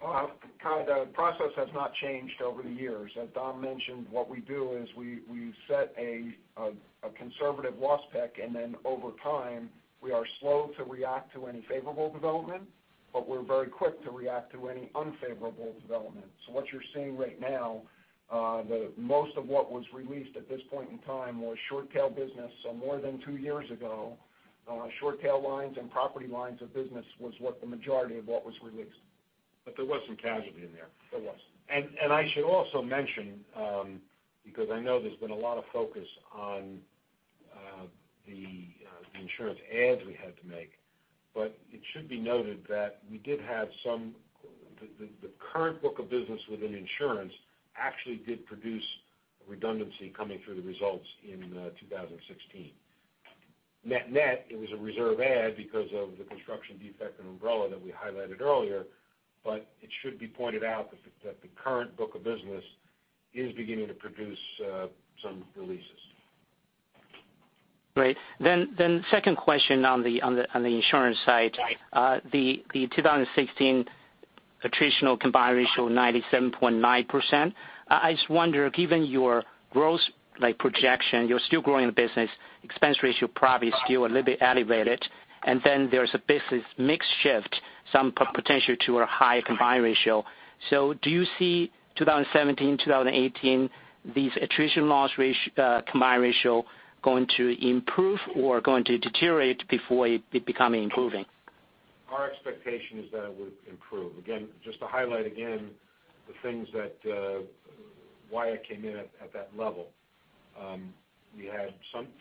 Kai, the process has not changed over the years. As Don mentioned, what we do is we set a conservative loss pick, and then over time, we are slow to react to any favorable development, but we're very quick to react to any unfavorable development. What you're seeing right now, most of what was released at this point in time was short tail business. More than two years ago, short tail lines and property lines of business was what the majority of what was released. There was some casualty in there. There was. I should also mention, because I know there's been a lot of focus on the insurance adds we had to make, it should be noted that the current book of business within insurance actually did produce a redundancy coming through the results in 2016. Net-net, it was a reserve add because of the construction defect and umbrella that we highlighted earlier. It should be pointed out that the current book of business is beginning to produce some releases. Great. Second question on the insurance side. The 2016 attritional combined ratio of 97.9%. I just wonder, given your growth projection, you're still growing the business, expense ratio probably still a little bit elevated, and then there's a business mix shift, some potential to a higher combined ratio. Do you see 2017, 2018, these attrition loss combined ratio going to improve or going to deteriorate before it become improving? Our expectation is that it would improve. Again, just to highlight again the things that, why it came in at that level. We had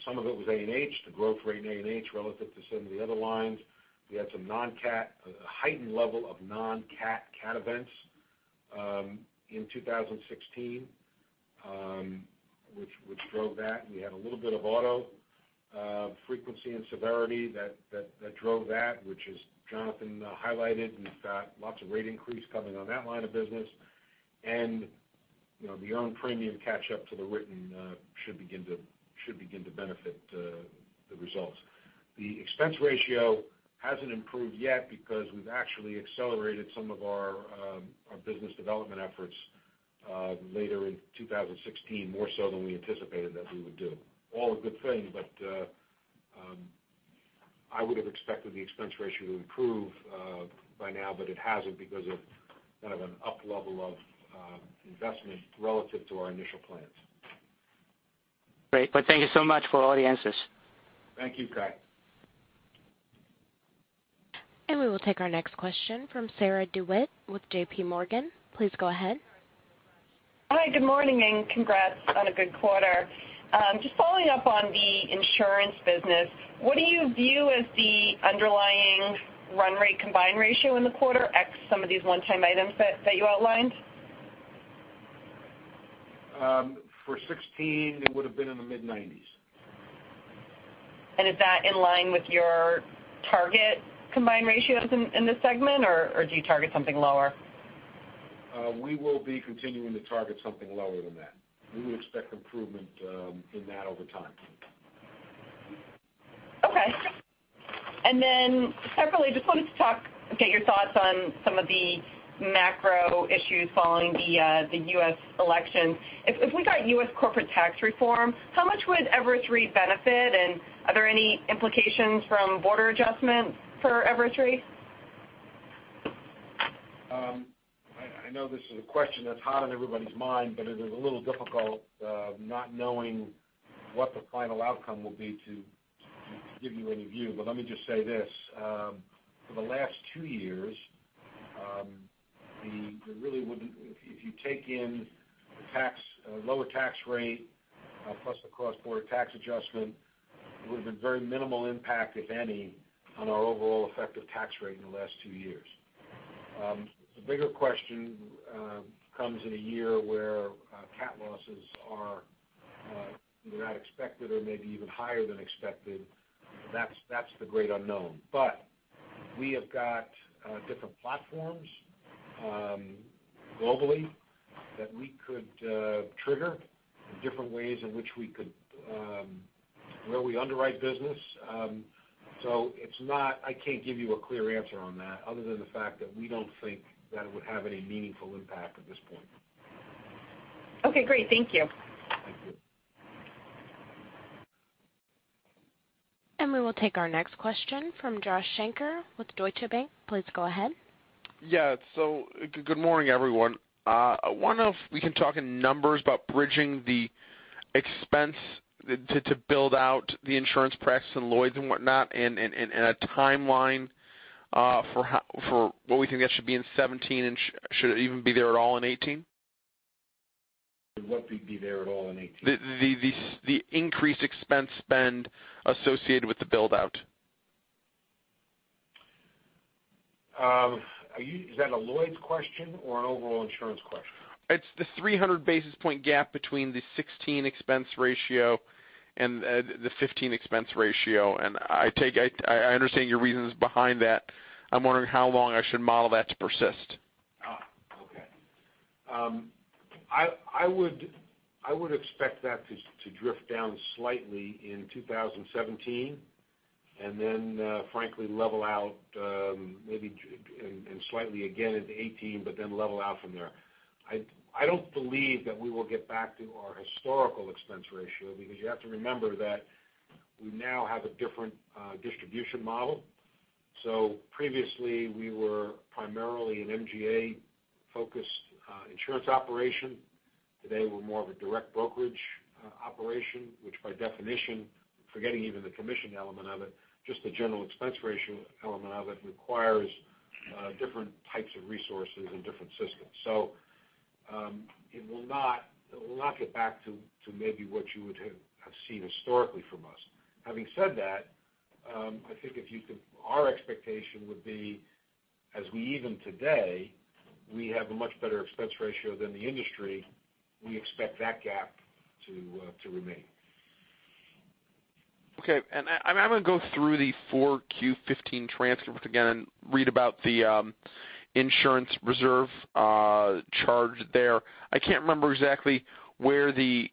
some of it was A&H, the growth rate in A&H relative to some of the other lines. We had some non-CAT, a heightened level of non-cat a heightened level of non-cat cat events in 2016, which drove that. We had a little bit of auto frequency and severity that drove that, which as Jonathan highlighted, we've got lots of rate increase coming on that line of business. The earned premium catch up to the written should begin to benefit the results. The expense ratio hasn't improved yet because we've actually accelerated some of our business development efforts later in 2016, more so than we anticipated that we would do. All a good thing, I would have expected the expense ratio to improve by now, it hasn't because of kind of an up-level of investment relative to our initial plans. Great. Thank you so much for all the answers. Thank you, Kai. We will take our next question from Sarah DeWitt with J.P. Morgan. Please go ahead. Hi, good morning and congrats on a good quarter. Just following up on the insurance business, what do you view as the underlying run rate combined ratio in the quarter, X some of these one-time items that you outlined? For 2016, it would've been in the mid-90s. Is that in line with your target combined ratios in this segment, or do you target something lower? We will be continuing to target something lower than that. We would expect improvement in that over time. Okay. Separately, just wanted to talk, get your thoughts on some of the macro issues following the U.S. election. If we got U.S. corporate tax reform, how much would Everest benefit and are there any implications from border adjustments for Everest? I know this is a question that's hot on everybody's mind, it is a little difficult not knowing what the final outcome will be to give you any view. Let me just say this. For the last 2 years, if you take in the lower tax rate plus the cross-border tax adjustment, it would've been very minimal impact, if any, on our overall effective tax rate in the last 2 years. The bigger question comes in a year where CAT losses are either not expected or maybe even higher than expected. That's the great unknown. We have got different platforms globally that we could trigger, different ways in which we could where we underwrite business. I can't give you a clear answer on that other than the fact that we don't think that it would have any meaningful impact at this point. Okay, great. Thank you. Thank you. We will take our next question from Joshua Shanker with Deutsche Bank. Please go ahead. Yeah. Good morning, everyone. I wonder if we can talk in numbers about bridging the expense to build out the insurance practice in Lloyd's and whatnot, and a timeline for what we think that should be in 2017, and should it even be there at all in 2018? What be there at all in 2018? The increased expense spend associated with the build-out. Is that a Lloyd's question or an overall insurance question? It's the 300 basis point gap between the 2016 expense ratio and the 2015 expense ratio. I understand your reasons behind that. I'm wondering how long I should model that to persist. Okay. I would expect that to drift down slightly in 2017, frankly, level out maybe and slightly again into 2018, level out from there. I don't believe that we will get back to our historical expense ratio because you have to remember that we now have a different distribution model. Previously, we were primarily an MGA-focused insurance operation. Today, we're more of a direct brokerage operation, which by definition, forgetting even the commission element of it, just the general expense ratio element of it requires different types of resources and different systems. It will not get back to maybe what you would have seen historically from us. Having said that, I think our expectation would be, as we even today, we have a much better expense ratio than the industry, we expect that gap to remain. Okay. I'm going to go through the 4Q 2015 transcript again and read about the insurance reserve charge there. I can't remember exactly where the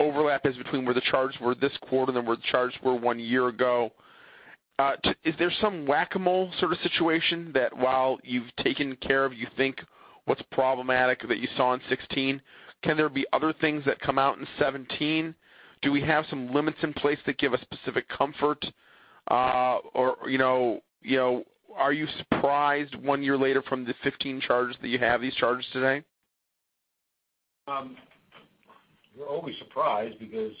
overlap is between where the charges were this quarter and where the charges were one year ago. Is there some whack-a-mole sort of situation that while you've taken care of, you think what's problematic that you saw in 2016, can there be other things that come out in 2017? Do we have some limits in place that give us specific comfort? Or are you surprised one year later from the 2015 charges that you have these charges today? We're always surprised because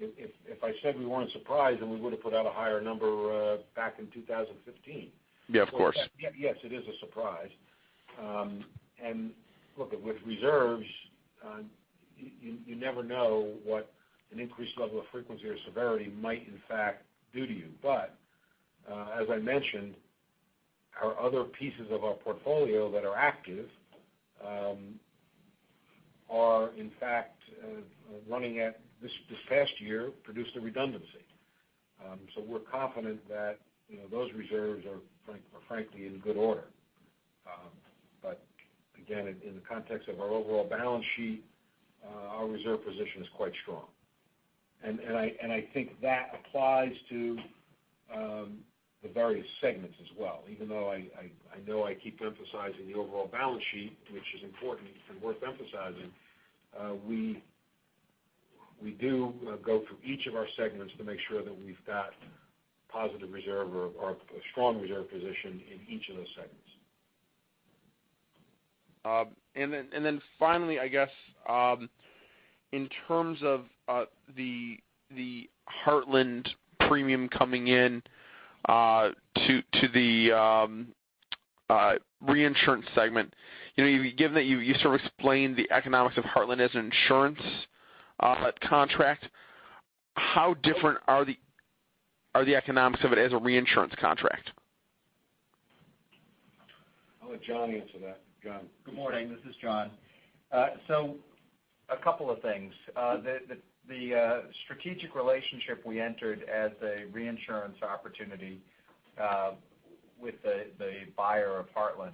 if I said we weren't surprised, we would've put out a higher number back in 2015. Yeah. Of course. Yes. It is a surprise. Look, with reserves, you never know what an increased level of frequency or severity might in fact do to you. As I mentioned, our other pieces of our portfolio that are active are in fact running at, this past year produced a redundancy. We're confident that those reserves are frankly in good order. Again, in the context of our overall balance sheet, our reserve position is quite strong. I think that applies to the various segments as well, even though I know I keep emphasizing the overall balance sheet, which is important and worth emphasizing, we do go through each of our segments to make sure that we've got positive reserve or a strong reserve position in each of those segments. Finally, I guess, in terms of the Heartland premium coming in to the reinsurance segment, given that you sort of explained the economics of Heartland as an insurance contract, how different are the economics of it as a reinsurance contract? I'll let John answer that. John. Good morning. This is John. A couple of things. The strategic relationship we entered as a reinsurance opportunity with the buyer of Heartland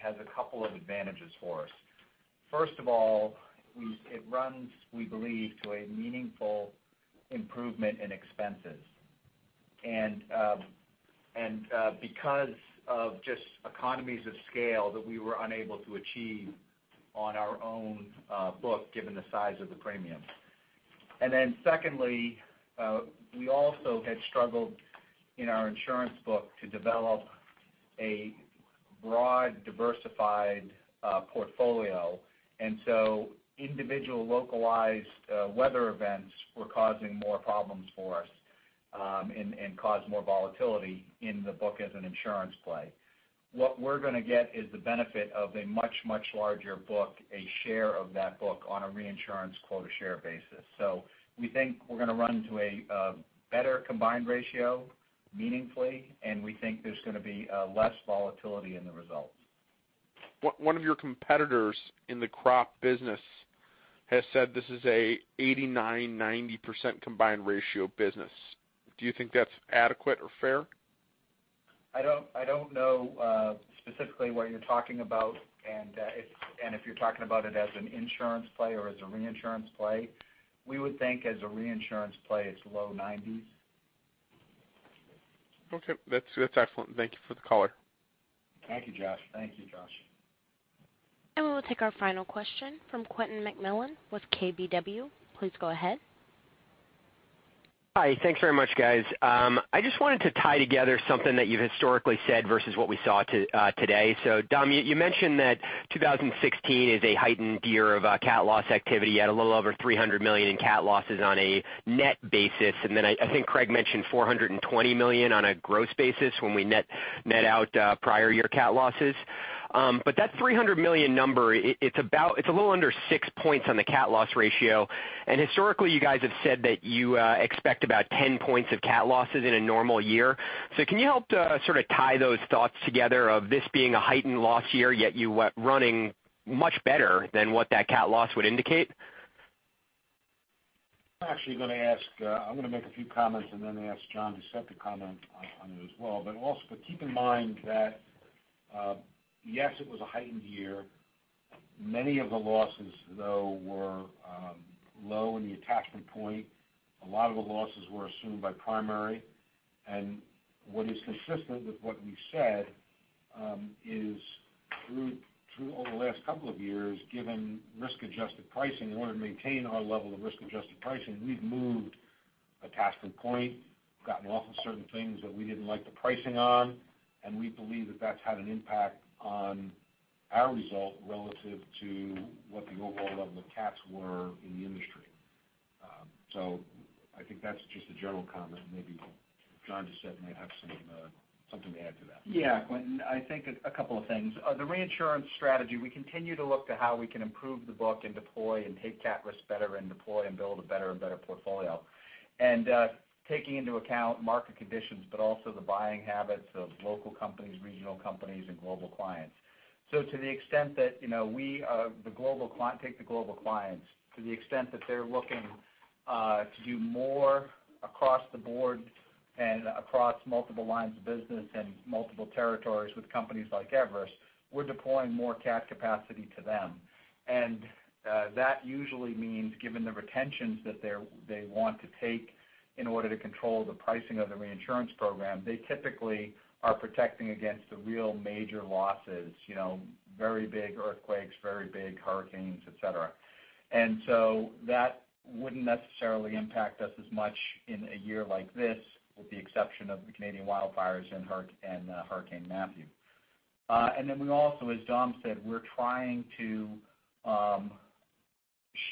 has a couple of advantages for us. First of all, it runs, we believe, to a meaningful improvement in expenses because of just economies of scale that we were unable to achieve on our own book given the size of the premium. Secondly, we also had struggled in our insurance book to develop a broad, diversified portfolio. Individual localized weather events were causing more problems for us, and caused more volatility in the book as an insurance play. What we're going to get is the benefit of a much, much larger book, a share of that book on a reinsurance quota share basis. We think we're going to run to a better combined ratio meaningfully, and we think there's going to be less volatility in the results. One of your competitors in the crop business has said this is a 89%, 90% combined ratio business. Do you think that's adequate or fair? I don't know specifically what you're talking about and if you're talking about it as an insurance play or as a reinsurance play. We would think as a reinsurance play, it's low 90s. Okay. That's excellent. Thank you for the color. Thank you, Josh. Thank you, Josh. We'll take our final question from Quentin McMillan with KBW. Please go ahead. Hi. Thanks very much, guys. I just wanted to tie together something that you've historically said versus what we saw today. Dom, you mentioned that 2016 is a heightened year of cat loss activity at a little over $300 million in cat losses on a net basis, and then I think Craig mentioned $420 million on a gross basis when we net out prior year cat losses. That $300 million number, it's a little under six points on the cat loss ratio. Historically you guys have said that you expect about 10 points of cat losses in a normal year. Can you help to sort of tie those thoughts together of this being a heightened loss year, yet you were running much better than what that cat loss would indicate? I'm going to make a few comments and then ask John to set the comment on it as well. Also keep in mind that, yes, it was a heightened year. Many of the losses though were low in the attachment point. A lot of the losses were assumed by primary. What is consistent with what we've said is through all the last couple of years, given risk-adjusted pricing, in order to maintain our level of risk-adjusted pricing, we've moved attachment point, gotten off of certain things that we didn't like the pricing on, and we believe that that's had an impact on our result relative to what the overall level of cats were in the industry. I think that's just a general comment. Maybe John might have something to add to that. Yeah, Quentin. I think a couple of things. The reinsurance strategy, we continue to look to how we can improve the book and deploy and take cat risks better and deploy and build a better and better portfolio. Taking into account market conditions, but also the buying habits of local companies, regional companies, and global clients. To the extent that we take the global clients, to the extent that they're looking to do more across the board and across multiple lines of business and multiple territories with companies like Everest, we're deploying more cat capacity to them. That usually means, given the retentions that they want to take in order to control the pricing of the reinsurance program, they typically are protecting against the real major losses, very big earthquakes, very big hurricanes, et cetera. That wouldn't necessarily impact us as much in a year like this, with the exception of the Canadian wildfires and Hurricane Matthew. We also, as Dom said, we're trying to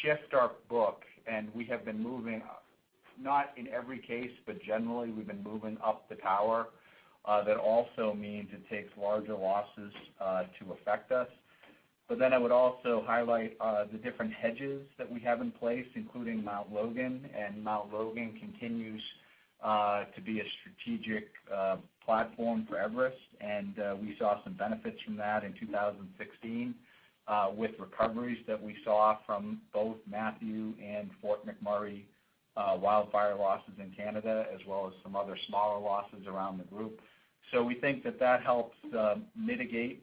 shift our book, and we have been moving, not in every case, but generally, we've been moving up the tower. That also means it takes larger losses to affect us. I would also highlight the different hedges that we have in place, including Mount Logan. Mount Logan continues to be a strategic platform for Everest, and we saw some benefits from that in 2016 with recoveries that we saw from both Matthew and Fort McMurray wildfire losses in Canada, as well as some other smaller losses around the group. We think that that helps mitigate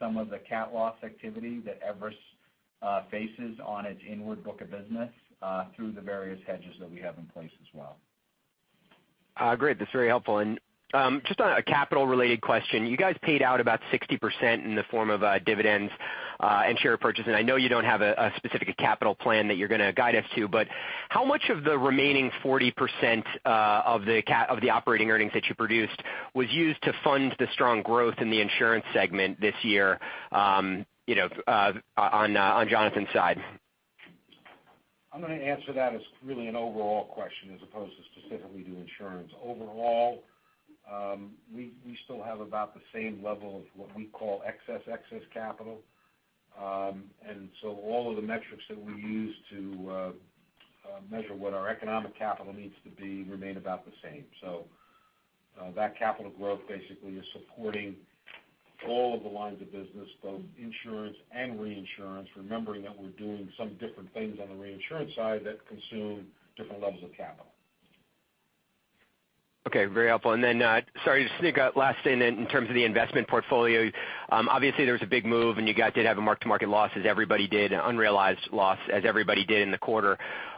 some of the cat loss activity that Everest faces on its inward book of business through the various hedges that we have in place as well. Great. That's very helpful. Just on a capital related question, you guys paid out about 60% in the form of dividends and share purchase. I know you don't have a specific capital plan that you're going to guide us to, but how much of the remaining 40% of the operating earnings that you produced was used to fund the strong growth in the insurance segment this year on Jonathan's side? I'm going to answer that as really an overall question as opposed to specifically to insurance. Overall, we still have about the same level of what we call excess capital. All of the metrics that we use to measure what our economic capital needs to be remain about the same. That capital growth basically is supporting all of the lines of business, both insurance and reinsurance, remembering that we're doing some different things on the reinsurance side that consume different levels of capital. Okay. Very helpful. Then, sorry, just to sneak a last thing in in terms of the investment portfolio. Obviously, there was a big move, and you guys did have a mark-to-market loss as everybody did, an unrealized loss as everybody did in the quarter.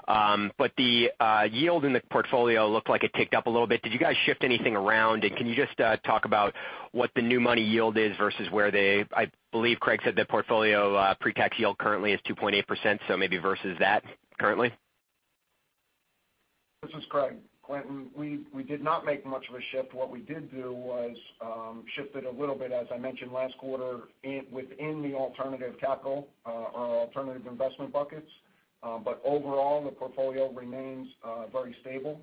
The yield in the portfolio looked like it ticked up a little bit. Did you guys shift anything around, and can you just talk about what the new money yield is versus where I believe Craig said the portfolio pre-tax yield currently is 2.8%, so maybe versus that currently? This is Craig. Quentin, we did not make much of a shift. What we did do was shifted a little bit, as I mentioned last quarter, within the alternative capital or alternative investment buckets. Overall, the portfolio remains very stable,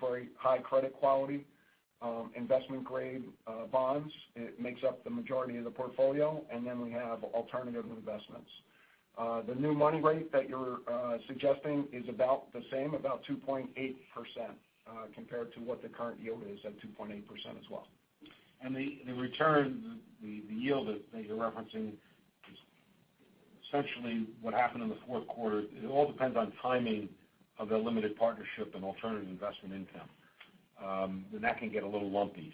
very high credit quality, investment-grade bonds. It makes up the majority of the portfolio. We have alternative investments. The new money rate that you're suggesting is about the same, about 2.8%, compared to what the current yield is at 2.8% as well. The return, the yield that you're referencing is essentially what happened in the fourth quarter. It all depends on timing of the limited partnership and alternative investment income. That can get a little lumpy.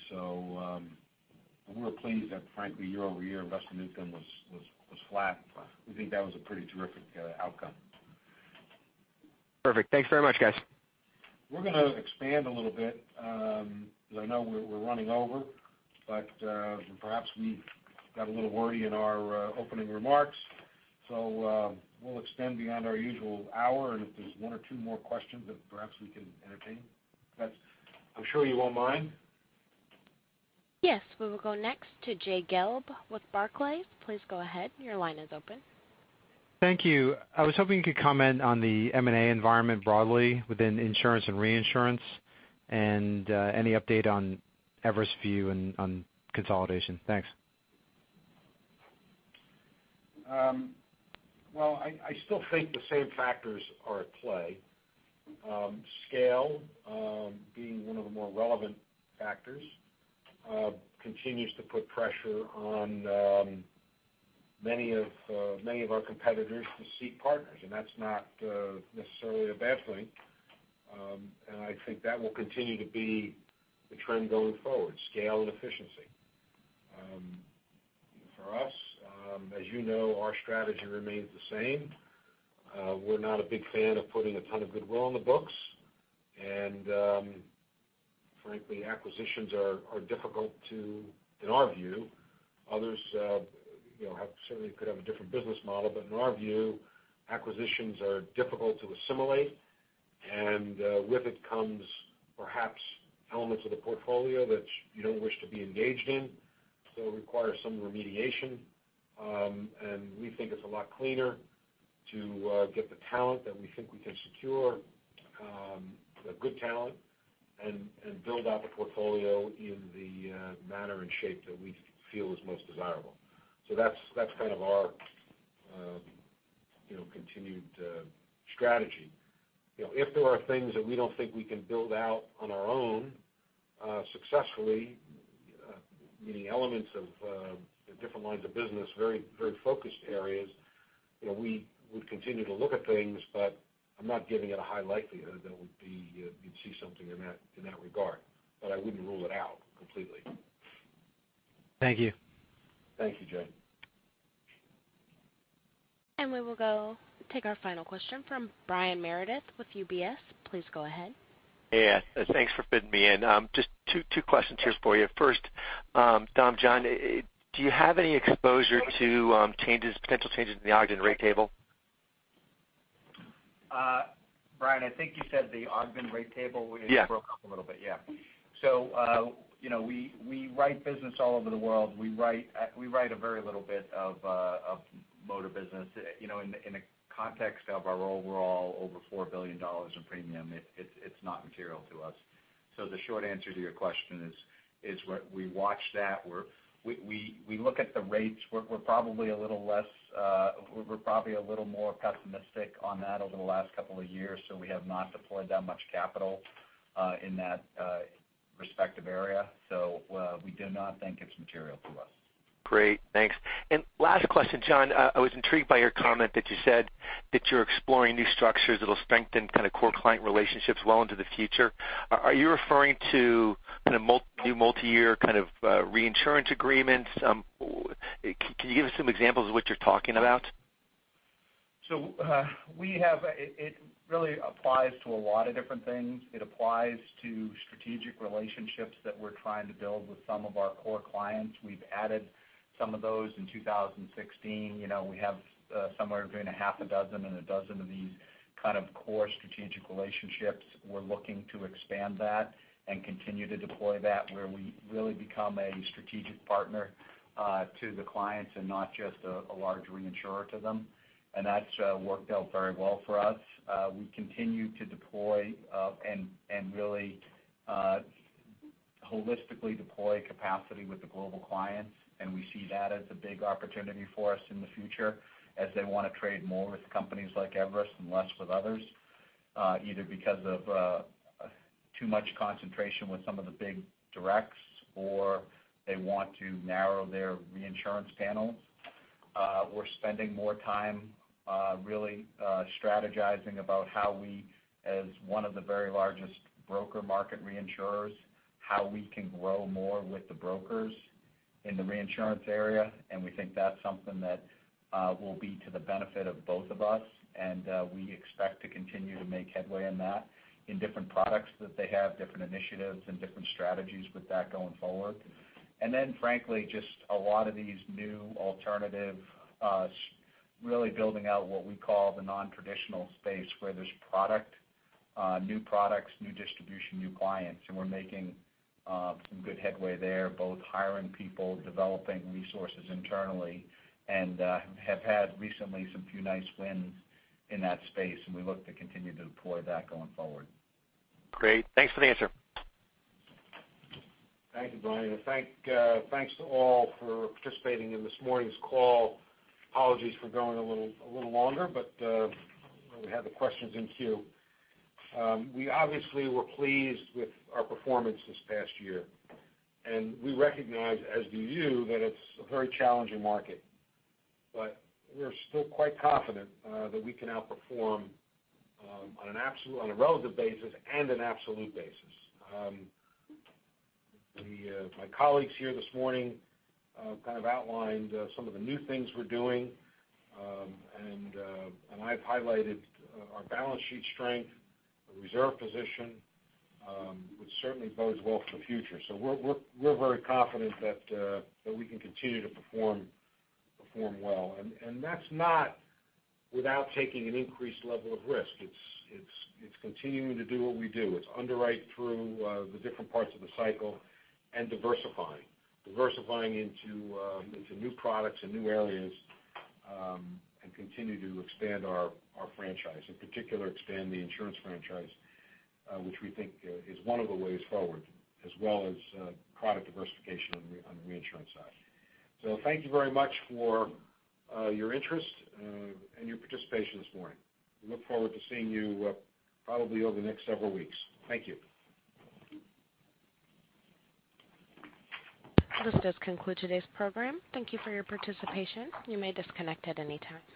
We were pleased that frankly year-over-year, investment income was flat. We think that was a pretty terrific outcome. Perfect. Thanks very much, guys. We're going to expand a little bit because I know we're running over. Perhaps we got a little wordy in our opening remarks. We'll extend beyond our usual hour, and if there's one or two more questions that perhaps we can entertain, guys, I'm sure you won't mind. Yes. We will go next to Jay Gelb with Barclays. Please go ahead. Your line is open. Thank you. I was hoping you could comment on the M&A environment broadly within insurance and reinsurance and any update on Everest's view on consolidation. Thanks. Well, I still think the same factors are at play. Scale being one of the more relevant factors continues to put pressure on many of our competitors to seek partners. That's not necessarily a bad thing. I think that will continue to be the trend going forward, scale and efficiency. For us, as you know, our strategy remains the same. We're not a big fan of putting a ton of goodwill on the books. Frankly, acquisitions are difficult in our view. Others certainly could have a different business model, but in our view, acquisitions are difficult to assimilate. With it comes perhaps elements of the portfolio that you don't wish to be engaged in. It requires some remediation. We think it's a lot cleaner to get the talent that we think we can secure, the good talent, and build out the portfolio in the manner and shape that we feel is most desirable. That's kind of our continued strategy. If there are things that we don't think we can build out on our own successfully, meaning elements of the different lines of business, very focused areas. We would continue to look at things, but I'm not giving it a high likelihood that we'd see something in that regard. I wouldn't rule it out completely. Thank you. Thank you, Jay. We will go take our final question from Brian Meredith with UBS. Please go ahead. Yeah. Thanks for fitting me in. Just two questions here for you. First, Dom, John, do you have any exposure to potential changes in the Ogden rate table? Brian, I think you said the Ogden rate table? Yeah. It broke up a little bit. Yeah. We write business all over the world. We write a very little bit of motor business. In the context of our overall over $4 billion in premium, it's not material to us. The short answer to your question is we watch that, we look at the rates. We're probably a little more pessimistic on that over the last couple of years, so we have not deployed that much capital in that respective area. We do not think it's material to us. Great, thanks. Last question, John, I was intrigued by your comment that you said that you're exploring new structures that'll strengthen kind of core client relationships well into the future. Are you referring to kind of new multi-year kind of reinsurance agreements? Can you give us some examples of what you're talking about? It really applies to a lot of different things. It applies to strategic relationships that we're trying to build with some of our core clients. We've added some of those in 2016. We have somewhere between a half a dozen and a dozen of these kind of core strategic relationships. We're looking to expand that and continue to deploy that, where we really become a strategic partner to the clients and not just a large reinsurer to them. That's worked out very well for us. We continue to deploy, and really holistically deploy capacity with the global clients, and we see that as a big opportunity for us in the future as they want to trade more with companies like Everest and less with others, either because of too much concentration with some of the big directs or they want to narrow their reinsurance panels. We're spending more time really strategizing about how we, as one of the very largest broker market reinsurers, how we can grow more with the brokers in the reinsurance area. We think that's something that will be to the benefit of both of us, and we expect to continue to make headway in that in different products that they have, different initiatives and different strategies with that going forward. Frankly, just a lot of these new alternative, really building out what we call the non-traditional space, where there's product, new products, new distribution, new clients, and we're making some good headway there, both hiring people, developing resources internally, and have had recently some few nice wins in that space, and we look to continue to deploy that going forward. Great. Thanks for the answer. Thank you, Brian, and thanks to all for participating in this morning's call. Apologies for going a little longer, we had the questions in queue. We obviously were pleased with our performance this past year, we recognize, as do you, that it's a very challenging market. We're still quite confident that we can outperform on a relative basis and an absolute basis. My colleagues here this morning kind of outlined some of the new things we're doing. I've highlighted our balance sheet strength, the reserve position, which certainly bodes well for the future. We're very confident that we can continue to perform well, and that's not without taking an increased level of risk. It's continuing to do what we do. It's underwrite through the different parts of the cycle and diversifying. Diversifying into new products and new areas, and continue to expand our franchise, in particular, expand the insurance franchise, which we think is one of the ways forward, as well as product diversification on the reinsurance side. Thank you very much for your interest and your participation this morning. We look forward to seeing you probably over the next several weeks. Thank you. This does conclude today's program. Thank you for your participation. You may disconnect at any time.